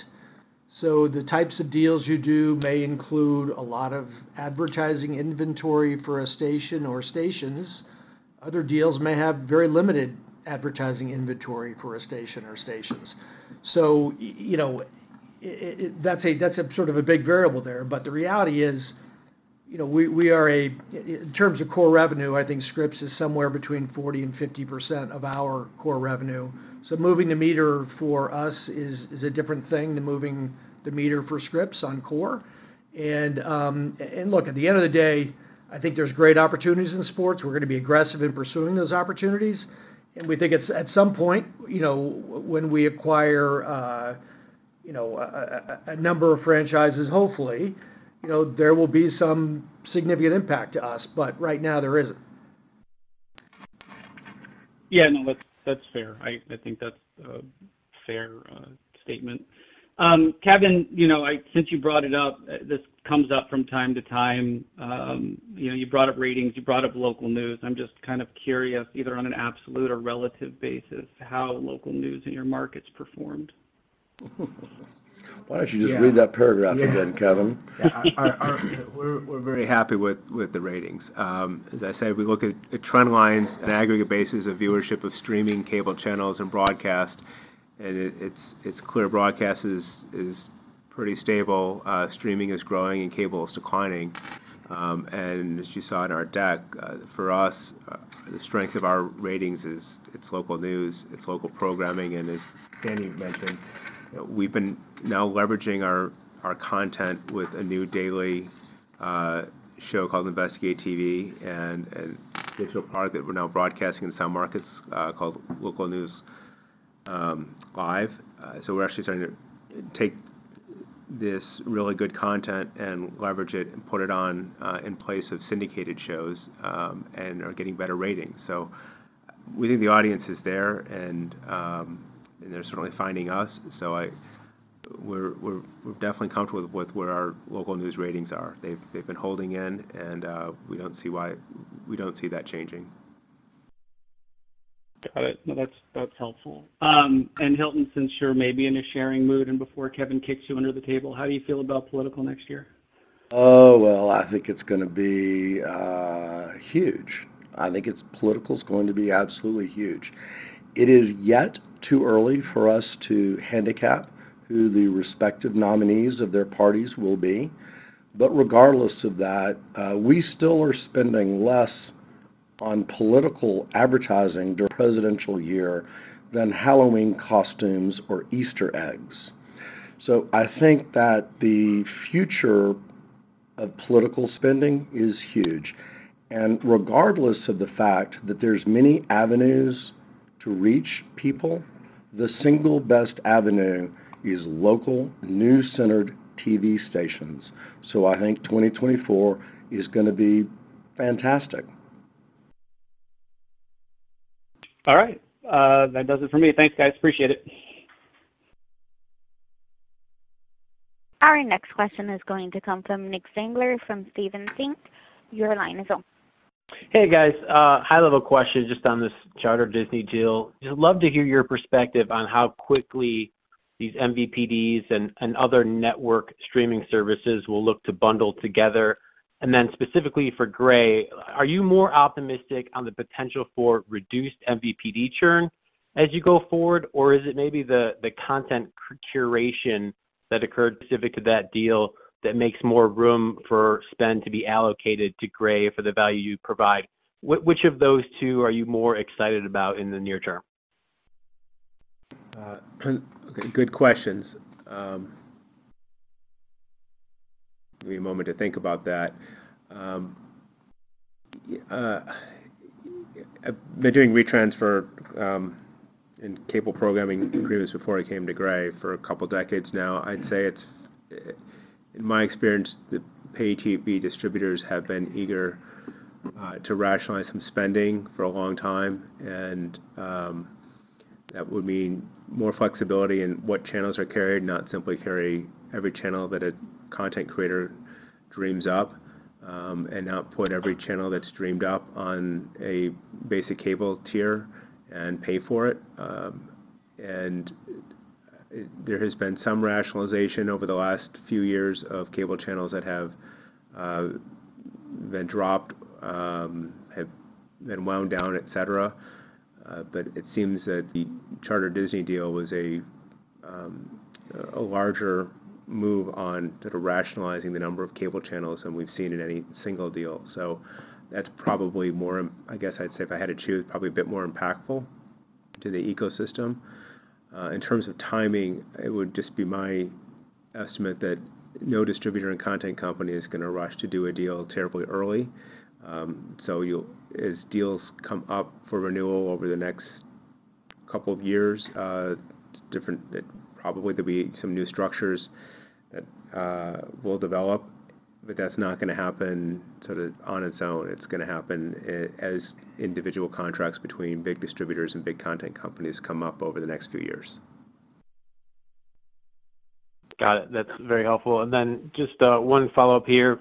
So the types of deals you do may include a lot of advertising inventory for a station or stations. Other deals may have very limited advertising inventory for a station or stations. So, you know, that's a, that's a sort of a big variable there. But the reality is... ... You know, we are in terms of core revenue, I think Scripps is somewhere between 40%-50% of our core revenue. So moving the meter for us is a different thing than moving the meter for Scripps on core. And look, at the end of the day, I think there's great opportunities in sports. We're gonna be aggressive in pursuing those opportunities, and we think it's at some point, you know, when we acquire, you know, a number of franchises, hopefully, you know, there will be some significant impact to us, but right now there isn't. Yeah, no, that's, that's fair. I, I think that's a fair statement. Kevin, you know, I—since you brought it up, this comes up from time to time, you know, you brought up ratings, you brought up local news. I'm just kind of curious, either on an absolute or relative basis, how local news in your markets performed? Why don't you just read that paragraph again, Kevin? Yeah. Our -- We're very happy with the ratings. As I said, we look at the trend lines on aggregate basis of viewership of streaming cable channels and broadcast, and it's clear broadcast is pretty stable, streaming is growing, and cable is declining. And as you saw in our deck, for us, the strength of our ratings is local news, it's local programming, and as Sandy mentioned, we've been now leveraging our content with a new daily show called InvestigateTV and a digital product that we're now broadcasting in some markets, called Local News Live. So we're actually starting to take this really good content and leverage it and put it on in place of syndicated shows, and are getting better ratings. So we think the audience is there, and they're certainly finding us, so we're definitely comfortable with where our local news ratings are. They've been holding in, and we don't see that changing. Got it. No, that's, that's helpful. And Hilton, since you're maybe in a sharing mood and before Kevin kicks you under the table, how do you feel about political next year? Oh, well, I think it's gonna be huge. I think political is going to be absolutely huge. It is yet too early for us to handicap who the respective nominees of their parties will be. But regardless of that, we still are spending less on political advertising the presidential year than Halloween costumes or Easter eggs. So I think that the future of political spending is huge, and regardless of the fact that there's many avenues to reach people, the single best avenue is local, news-centered TV stations. So I think 2024 is gonna be fantastic. All right. That does it for me. Thanks, guys. Appreciate it. Our next question is going to come from Nick Zangler from Stephens Inc. Your line is on. Hey, guys. High-level question just on this Charter-Disney deal. Just love to hear your perspective on how quickly these MVPDs and, and other network streaming services will look to bundle together. And then specifically for Gray, are you more optimistic on the potential for reduced MVPD churn as you go forward, or is it maybe the, the content curation that occurred specific to that deal that makes more room for spend to be allocated to Gray for the value you provide? Which of those two are you more excited about in the near term? Good questions. Give me a moment to think about that. Been doing retrans, and cable programming previous, before I came to Gray for a couple decades now. I'd say it's, in my experience, the pay TV distributors have been eager to rationalize some spending for a long time, and that would mean more flexibility in what channels are carried, not simply carry every channel that a content creator dreams up, and now put every channel that's dreamed up on a basic cable tier and pay for it. And there has been some rationalization over the last few years of cable channels that have been dropped, have been wound down, et cetera. But it seems that the Charter-Disney deal was a larger move onto rationalizing the number of cable channels than we've seen in any single deal. So that's probably more, I guess I'd say, if I had to choose, probably a bit more impactful to the ecosystem. In terms of timing, it would just be my estimate that no distributor and content company is going to rush to do a deal terribly early. So you'll as deals come up for renewal over the next couple of years, probably there'll be some new structures that will develop, but that's not going to happen sort of on its own. It's going to happen as individual contracts between big distributors and big content companies come up over the next few years. Got it. That's very helpful. And then just one follow-up here.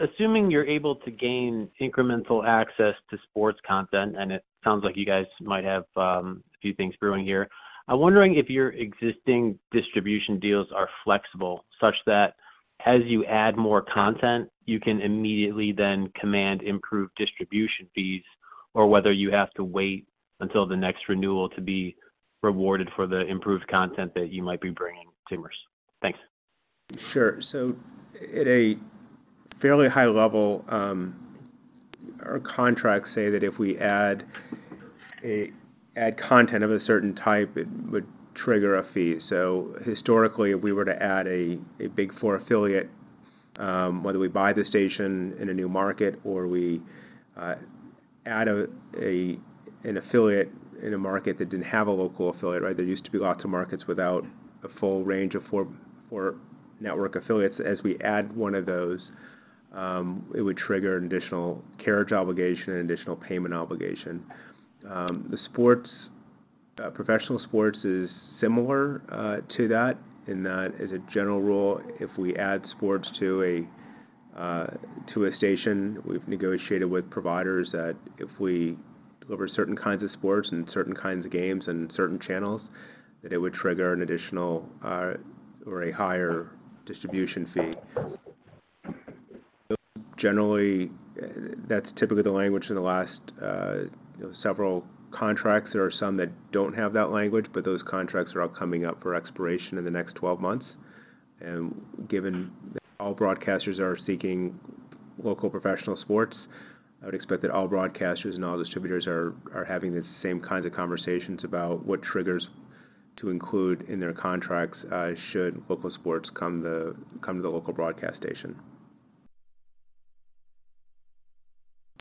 Assuming you're able to gain incremental access to sports content, and it sounds like you guys might have a few things brewing here, I'm wondering if your existing distribution deals are flexible, such that as you add more content, you can immediately then command improved distribution fees, or whether you have to wait until the next renewal to be... rewarded for the improved content that you might be bringing to viewers? Thanks. Sure. So at a fairly high level, our contracts say that if we add content of a certain type, it would trigger a fee. So historically, if we were to add a Big Four affiliate, whether we buy the station in a new market or we add an affiliate in a market that didn't have a local affiliate, right? There used to be lots of markets without a full range of four network affiliates. As we add one of those, it would trigger an additional carriage obligation and additional payment obligation. The sports, professional sports is similar to that, in that, as a general rule, if we add sports to a station, we've negotiated with providers that if we deliver certain kinds of sports and certain kinds of games and certain channels, that it would trigger an additional or a higher distribution fee. Generally, that's typically the language in the last several contracts. There are some that don't have that language, but those contracts are all coming up for expiration in the next 12 months. And given all broadcasters are seeking local professional sports, I would expect that all broadcasters and all distributors are having the same kinds of conversations about what triggers to include in their contracts, should local sports come to the local broadcast station.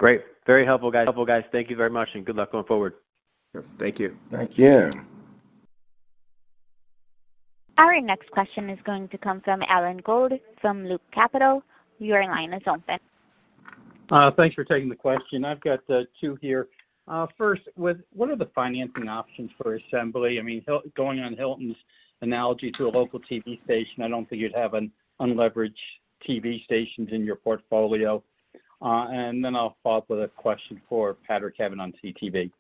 Great. Very helpful, guys. Helpful, guys. Thank you very much, and good luck going forward. Thank you. Thank you. Our next question is going to come from Alan Gould from Loop Capital. Your line is open. Thanks for taking the question. I've got two here. First, what are the financing options for Assembly? I mean, going on Hilton's analogy to a local TV station, I don't think you'd have an unleveraged TV stations in your portfolio. And then I'll follow up with a question for Pat and Kevin on CTV.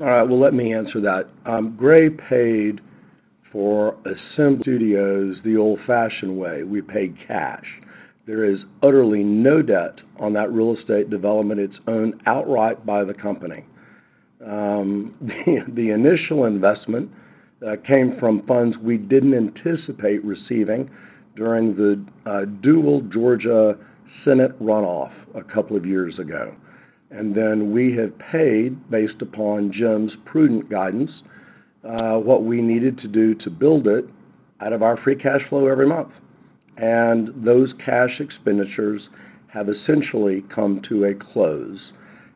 All right, well, let me answer that. Gray paid for Assembly Studios the old-fashioned way. We paid cash. There is utterly no debt on that real estate development. It's owned outright by the company. The initial investment came from funds we didn't anticipate receiving during the dual Georgia Senate runoff a couple of years ago. And then we have paid, based upon Jim's prudent guidance, what we needed to do to build it out of our free cash flow every month. And those cash expenditures have essentially come to a close.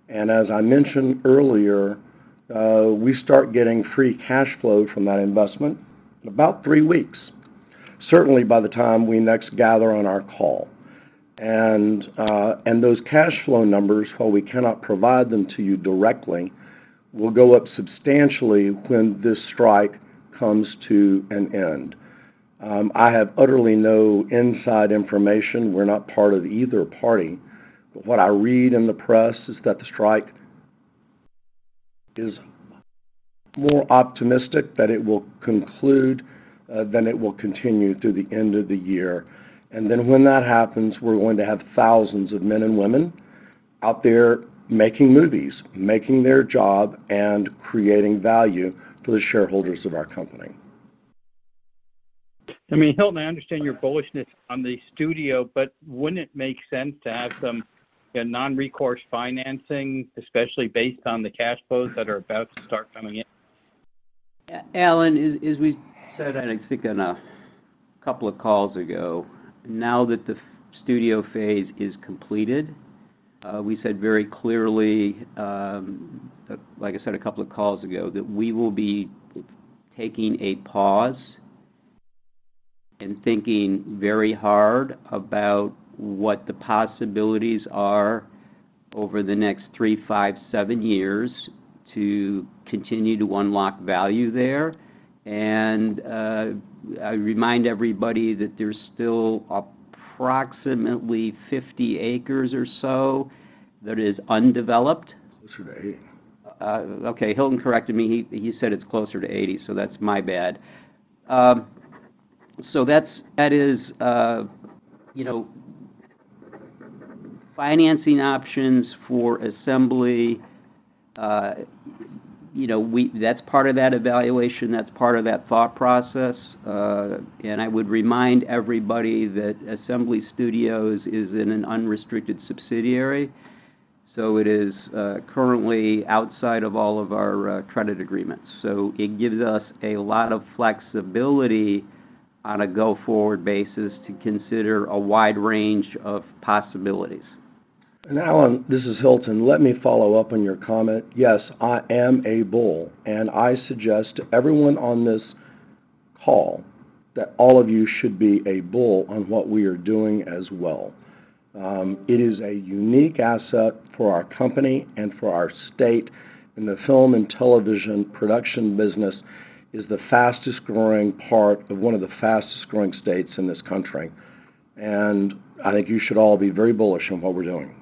And as I mentioned earlier, we start getting free cash flow from that investment in about three weeks, certainly by the time we next gather on our call. Those cash flow numbers, while we cannot provide them to you directly, will go up substantially when this strike comes to an end. I have utterly no inside information. We're not part of either party. But what I read in the press is that the strike is more optimistic that it will conclude than it will continue through the end of the year. And then when that happens, we're going to have thousands of men and women out there making movies, making their job, and creating value for the shareholders of our company. I mean, Hilton, I understand your bullishness on the studio, but wouldn't it make sense to have some, a non-recourse financing, especially based on the cash flows that are about to start coming in? Alan, as we said, I think, on a couple of calls ago, now that the studio phase is completed, we said very clearly, like I said a couple of calls ago, that we will be taking a pause and thinking very hard about what the possibilities are over the next three, five, seven years to continue to unlock value there. I remind everybody that there's still approximately 50 acres or so that is undeveloped. Closer to 80. Okay, Hilton corrected me. He said it's closer to 80, so that's my bad. So that is, you know, financing options for Assembly, you know, that's part of that evaluation, that's part of that thought process. And I would remind everybody that Assembly Studios is in an unrestricted subsidiary, so it is currently outside of all of our credit agreements. So it gives us a lot of flexibility on a go-forward basis to consider a wide range of possibilities. Alan, this is Hilton. Let me follow up on your comment. Yes, I am a bull, and I suggest to everyone on this call that all of you should be a bull on what we are doing as well. It is a unique asset for our company and for our state, and the film and television production business is the fastest growing part of one of the fastest growing states in this country. I think you should all be very bullish on what we're doing.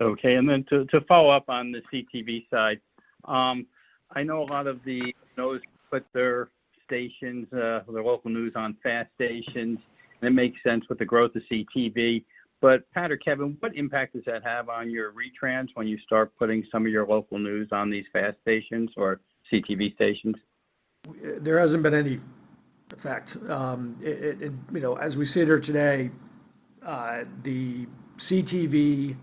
Okay, and then to follow up on the CTV side, I know a lot of the news put their-... stations, the local news on FAST stations, that makes sense with the growth of CTV. But Pat or Kevin, what impact does that have on your retrans when you start putting some of your local news on these FAST stations or CTV stations? There hasn't been any effect. It, you know, as we sit here today, the CTV,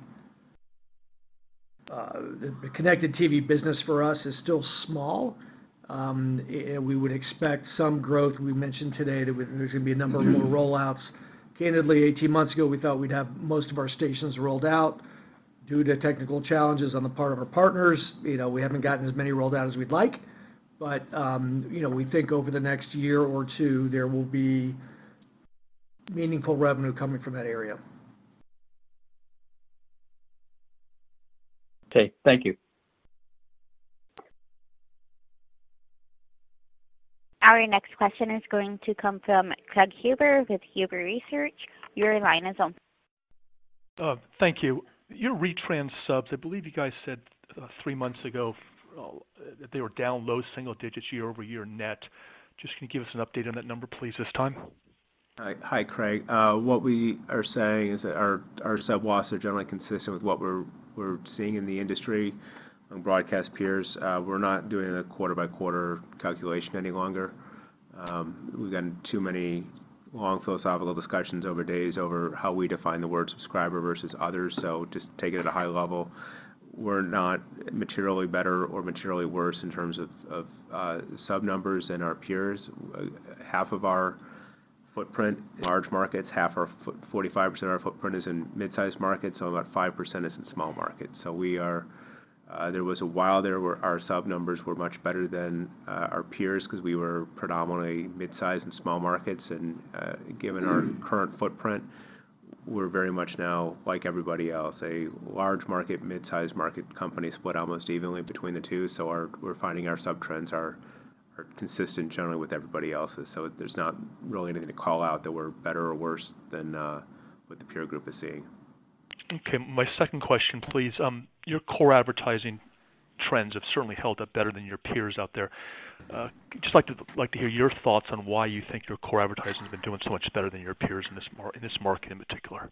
the connected TV business for us is still small. We would expect some growth. We mentioned today that there's gonna be a number of more rollouts. Candidly, 18 months ago, we thought we'd have most of our stations rolled out. Due to technical challenges on the part of our partners, you know, we haven't gotten as many rolled out as we'd like, but, you know, we think over the next year or two, there will be meaningful revenue coming from that area. Okay, thank you. Our next question is going to come from Craig Huber with Huber Research. Your line is open. Thank you. Your retrans subs, I believe you guys said three months ago, that they were down low single digits year-over-year net. Just, can you give us an update on that number, please, this time? Hi, Craig. What we are saying is that our sub loss are generally consistent with what we're seeing in the industry and broadcast peers. We're not doing a quarter-by-quarter calculation any longer. We've gotten too many long philosophical discussions over days over how we define the word subscriber versus others. So just take it at a high level. We're not materially better or materially worse in terms of sub numbers than our peers. Half of our footprint, large markets, half are footprint—45% of our footprint is in mid-sized markets, so about 5% is in small markets. So we are, there was a while there where our sub numbers were much better than our peers because we were predominantly midsize and small markets. Given our current footprint, we're very much now, like everybody else, a large market, mid-sized market company, split almost evenly between the two. So we're finding our sub trends are consistent generally with everybody else's. So there's not really anything to call out that we're better or worse than what the peer group is seeing. Okay. My second question, please. Your core advertising trends have certainly held up better than your peers out there. Just like to hear your thoughts on why you think your core advertising has been doing so much better than your peers in this market in particular.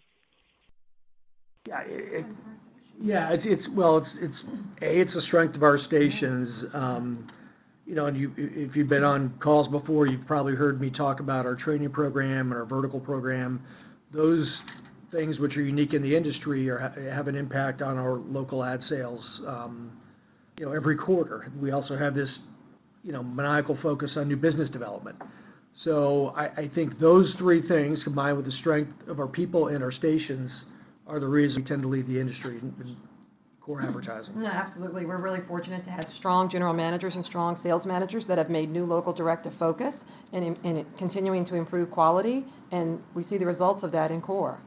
Yeah, it's well, it's the strength of our stations. You know, and you if you've been on calls before, you've probably heard me talk about our training program and our vertical program. Those things which are unique in the industry have an impact on our local ad sales, you know, every quarter. We also have this, you know, maniacal focus on new business development. So I think those three things, combined with the strength of our people and our stations, are the reason we tend to lead the industry in core advertising. Yeah, absolutely. We're really fortunate to have strong general managers and strong sales managers that new local direct revenue focus and continuing to improve quality, and we see the results of that in core.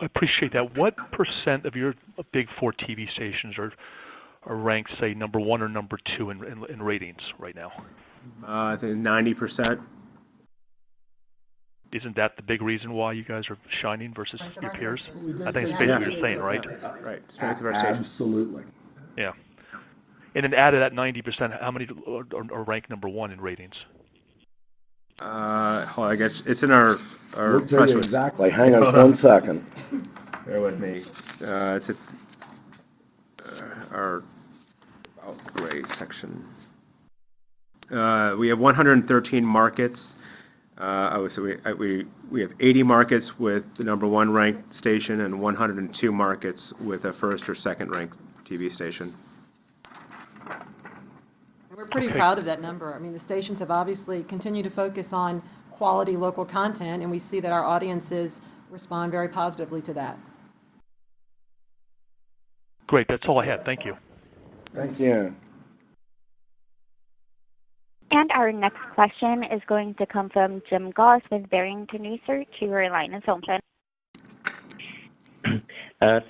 I appreciate that. What % of your Big Four TV stations are ranked, say, number one or number two in ratings right now? I think 90%. Isn't that the big reason why you guys are shining versus your peers? Absolutely. I think that's basically what you're saying, right? Right. Absolutely. Yeah. And then out of that 90%, how many are ranked number one in ratings? Hold on, I guess it's in our, We'll tell you exactly. Hang on one second. Bear with me. It's just our upgrade section. We have 113 markets. I would say we have 80 markets with the number one ranked station and 102 markets with a first or second ranked TV station. We're pretty proud of that number. I mean, the stations have obviously continued to focus on quality local content, and we see that our audiences respond very positively to that. Great. That's all I had. Thank you. Thank you. Our next question is going to come from Jim Goss with Barrington Research. Your line is open.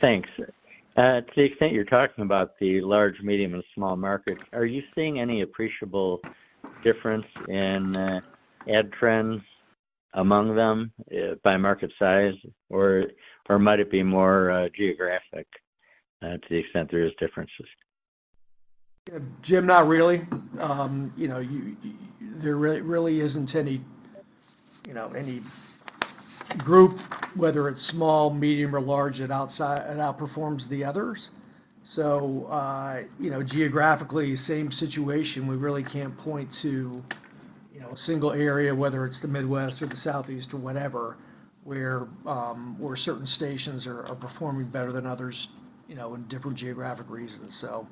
Thanks. To the extent you're talking about the large, medium, and small markets, are you seeing any appreciable difference in ad trends among them by market size? Or might it be more geographic, to the extent there is differences? Jim, not really. You know, there really isn't any, you know, any group, whether it's small, medium or large, that outperforms the others. So, you know, geographically, same situation. We really can't point to, you know, a single area, whether it's the Midwest or the Southeast or whatever, where certain stations are performing better than others, you know, in different geographic regions. So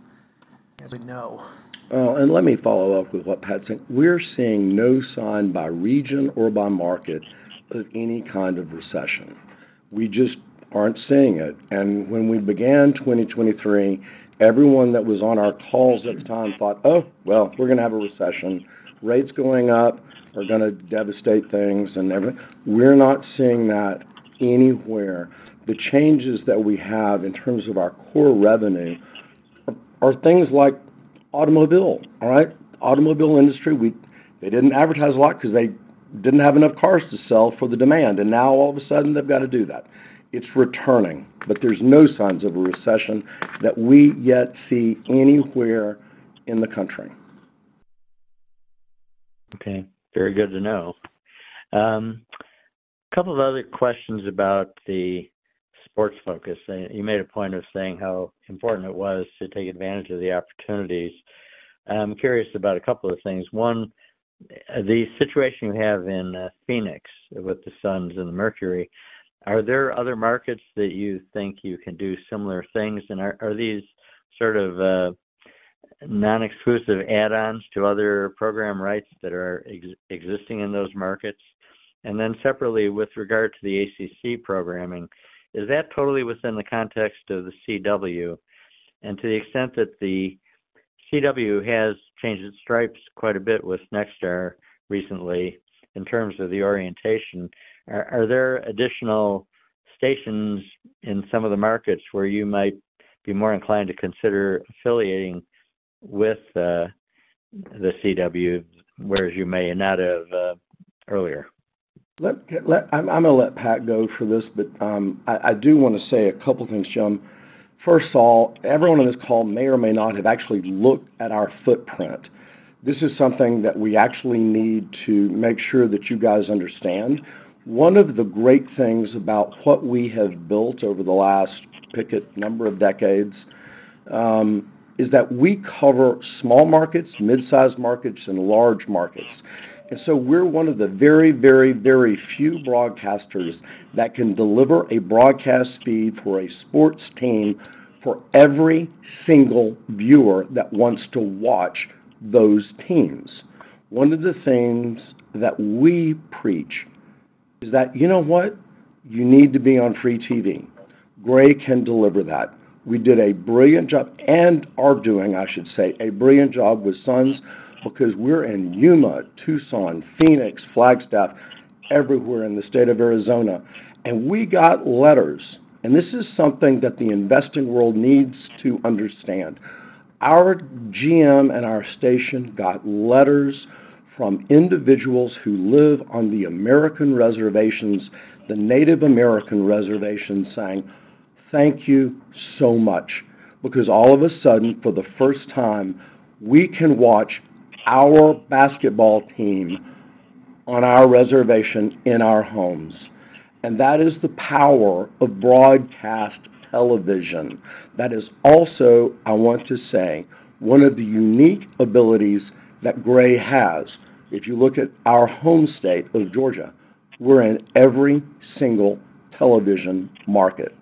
I would no. And let me follow up with what Pat said. We're seeing no sign by region or by market of any kind of recession. We just aren't seeing it. And when we began 2023, everyone that was on our calls at the time thought, "Oh, well, we're going to have a recession. Rates going up are gonna devastate things and every..." We're not seeing that anywhere. The changes that we have in terms of our core revenue are things like automobile. All right? Automobile industry, we got. They didn't advertise a lot because they didn't have enough cars to sell for the demand, and now all of a sudden, they've got to do that. It's returning, but there's no signs of a recession that we yet see anywhere in the country. Okay, very good to know. A couple of other questions about the sports focus. And you made a point of saying how important it was to take advantage of the opportunities. I'm curious about a couple of things. One, the situation you have in Phoenix with the Suns and the Mercury, are there other markets that you think you can do similar things? And are these sort of non-exclusive add-ons to other program rights that are existing in those markets? And then separately, with regard to the ACC programming, is that totally within the context of the CW? To the extent that the CW has changed its stripes quite a bit with Nexstar recently in terms of the orientation, are there additional stations in some of the markets where you might be more inclined to consider affiliating with the CW, whereas you may not have earlier? I'm going to let Pat go for this, but I do want to say a couple things, Jim. First of all, everyone on this call may or may not have actually looked at our footprint. This is something that we actually need to make sure that you guys understand. One of the great things about what we have built over the last couple of decades is that we cover small markets, mid-sized markets, and large markets. And so we're one of the very, very, very few broadcasters that can deliver a broadcast feed for a sports team for every single viewer that wants to watch those teams. One of the things that we preach is that, you know what? You need to be on free TV. Gray can deliver that. We did a brilliant job and are doing, I should say, a brilliant job with Suns because we're in Yuma, Tucson, Phoenix, Flagstaff, everywhere in the state of Arizona, and we got letters. And this is something that the investing world needs to understand. Our GM and our station got letters from individuals who live on the American reservations, the Native American reservations, saying, "Thank you so much, because all of a sudden, for the first time, we can watch our basketball team on our reservation in our homes." And that is the power of broadcast television. That is also, I want to say, one of the unique abilities that Gray has. If you look at our home state of Georgia, we're in every single television market.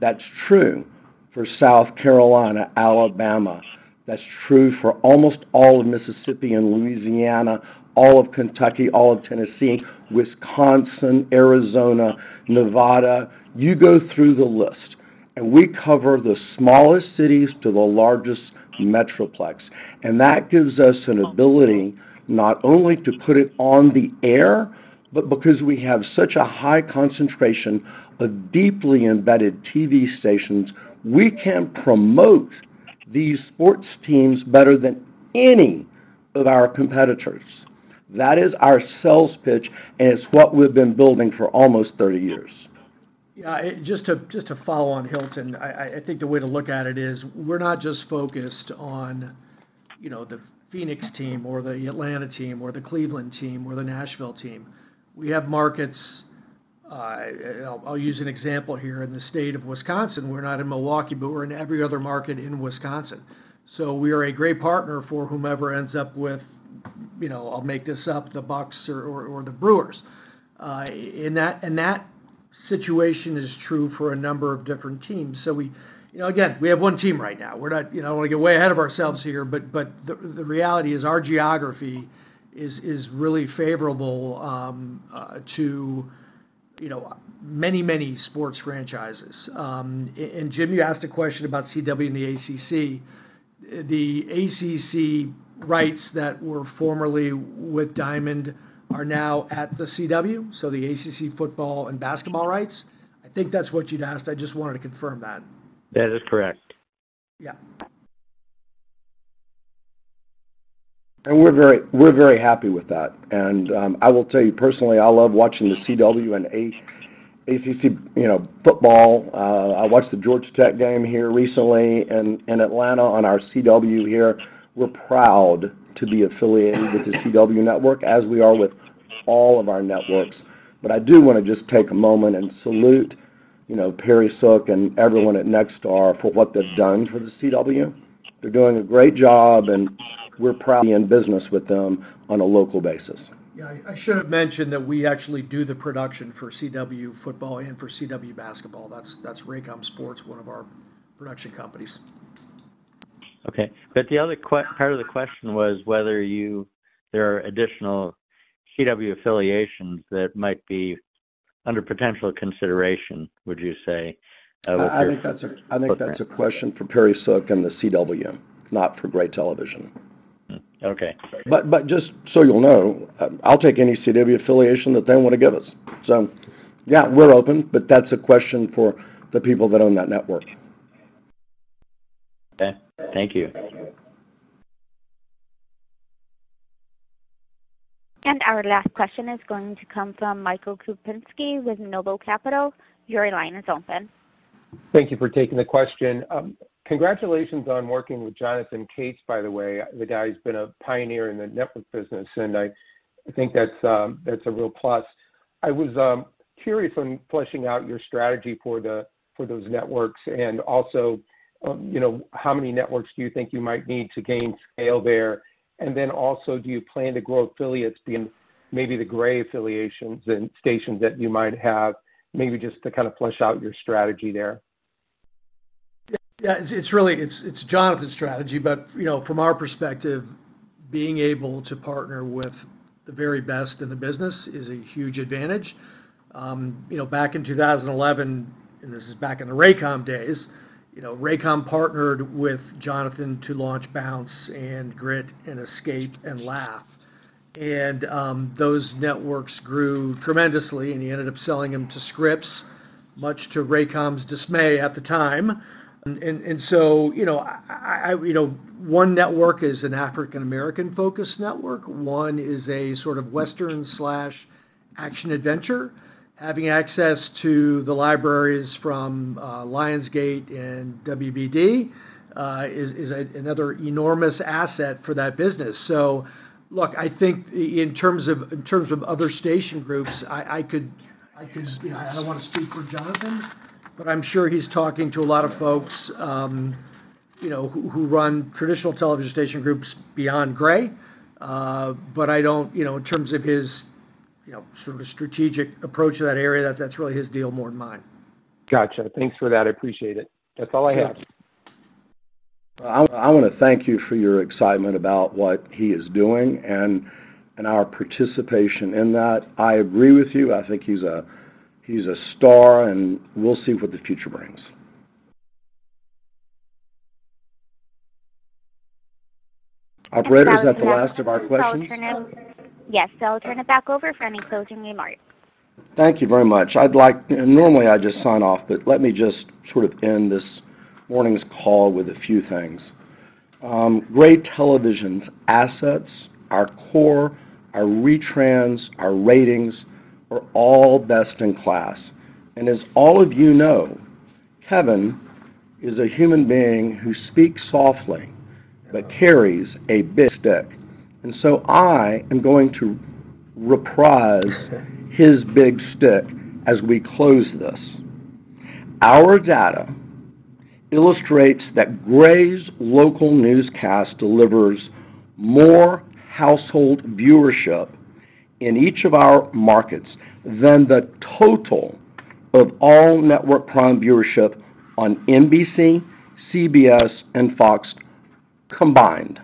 That's true for South Carolina, Alabama. That's true for almost all of Mississippi and Louisiana, all of Kentucky, all of Tennessee, Wisconsin, Arizona, Nevada. You go through the list, and we cover the smallest cities to the largest metroplex, and that gives us an ability not only to put it on the air, but because we have such a high concentration of deeply embedded TV stations, we can promote these sports teams better than any of our competitors. That is our sales pitch, and it's what we've been building for almost 30 years. Yeah, just to follow on Hilton, I think the way to look at it is, we're not just focused on, you know, the Phoenix team or the Atlanta team or the Cleveland team or the Nashville team. We have markets. I'll use an example here in the state of Wisconsin. We're not in Milwaukee, but we're in every other market in Wisconsin. So we are a great partner for whomever ends up with, you know, I'll make this up, the Bucks or the Brewers. And that situation is true for a number of different teams. So we, you know, again, we have one team right now. We're not, you know, want to get way ahead of ourselves here, but the reality is our geography is really favorable to, you know, many sports franchises. And Jim, you asked a question about CW and the ACC. The ACC rights that were formerly with Diamond are now at the CW, so the ACC football and basketball rights. I think that's what you'd asked. I just wanted to confirm that. That is correct. Yeah. And we're very, we're very happy with that. And, I will tell you personally, I love watching the CW and ACC, you know, football. I watched the Georgia Tech game here recently in Atlanta on our CW here. We're proud to be affiliated with the CW network, as we are with all of our networks. But I do want to just take a moment and salute, you know, Perry Sook and everyone at Nexstar for what they've done for the CW. They're doing a great job, and we're proud to be in business with them on a local basis. Yeah, I should have mentioned that we actually do the production for CW football and for CW basketball. That's, that's Raycom Sports, one of our production companies. Okay. But the other part of the question was whether there are additional CW affiliations that might be under potential consideration, would you say, with your- I think that's a question for Perry Sook and the CW, not for Gray Television. Okay. But just so you'll know, I'll take any CW affiliation that they want to give us. So yeah, we're open, but that's a question for the people that own that network. Okay, thank you. Our last question is going to come from Michael Kupinski with Noble Capital. Your line is open. Thank you for taking the question. Congratulations on working with Jonathan Katz, by the way. The guy's been a pioneer in the network business, and I think that's a real plus. I was curious on fleshing out your strategy for the, for those networks, and also, you know, how many networks do you think you might need to gain scale there? And then also, do you plan to grow affiliates in maybe the Gray affiliations and stations that you might have, maybe just to kind of flesh out your strategy there? Yeah, it's really Jonathan's strategy, but, you know, from our perspective, being able to partner with the very best in the business is a huge advantage. You know, back in 2011, and this is back in the Raycom days, you know, Raycom partnered with Jonathan to launch Bounce and Grit and Escape and Laff. And those networks grew tremendously, and he ended up selling them to Scripps, much to Raycom's dismay at the time. And so, you know, one network is an African American-focused network. One is a sort of Western/action-adventure. Having access to the libraries from Lionsgate and WBD is another enormous asset for that business. So look, I think in terms of other station groups, I could... You know, I don't want to speak for Jonathan, but I'm sure he's talking to a lot of folks, you know, who run traditional television station groups beyond Gray. But I don't, you know, in terms of his, you know, sort of strategic approach to that area, that's really his deal more than mine. Gotcha. Thanks for that. I appreciate it. That's all I have. I wanna thank you for your excitement about what he is doing and our participation in that. I agree with you. I think he's a star, and we'll see what the future brings. Operator, is that the last of our questions? Yes, so I'll turn it back over for any closing remarks. Thank you very much. I'd like... Normally, I just sign off, but let me just sort of end this morning's call with a few things. Gray Television's assets, our core, our retrans, our ratings, are all best-in-class. And as all of you know, Kevin is a human being who speaks softly but carries a big stick. And so I am going to reprise his big stick as we close this. Our data illustrates that Gray's local newscast delivers more household viewership in each of our markets than the total of all network prime viewership on NBC, CBS, and Fox combined.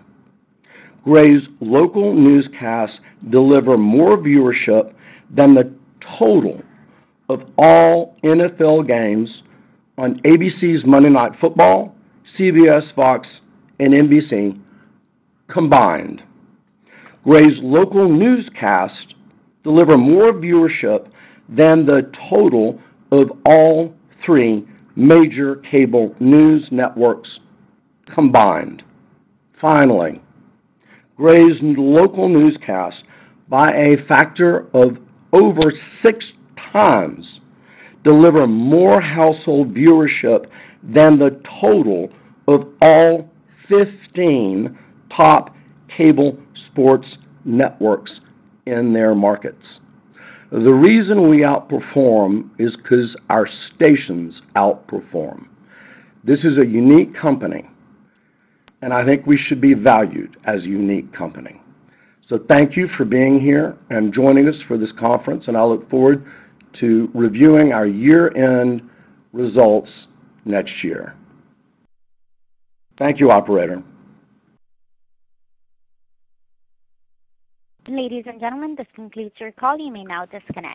Gray's local newscasts deliver more viewership than the total of all NFL games on ABC's Monday Night Football, CBS, Fox, and NBC combined. Gray's local newscasts deliver more viewership than the total of all three major cable news networks combined. Finally, Gray's local newscasts, by a factor of over six times, deliver more household viewership than the total of all 15 top cable sports networks in their markets. The reason we outperform is 'cause our stations outperform. This is a unique company, and I think we should be valued as a unique company. So thank you for being here and joining us for this conference, and I look forward to reviewing our year-end results next year. Thank you, operator. Ladies and gentlemen, this concludes your call. You may now disconnect.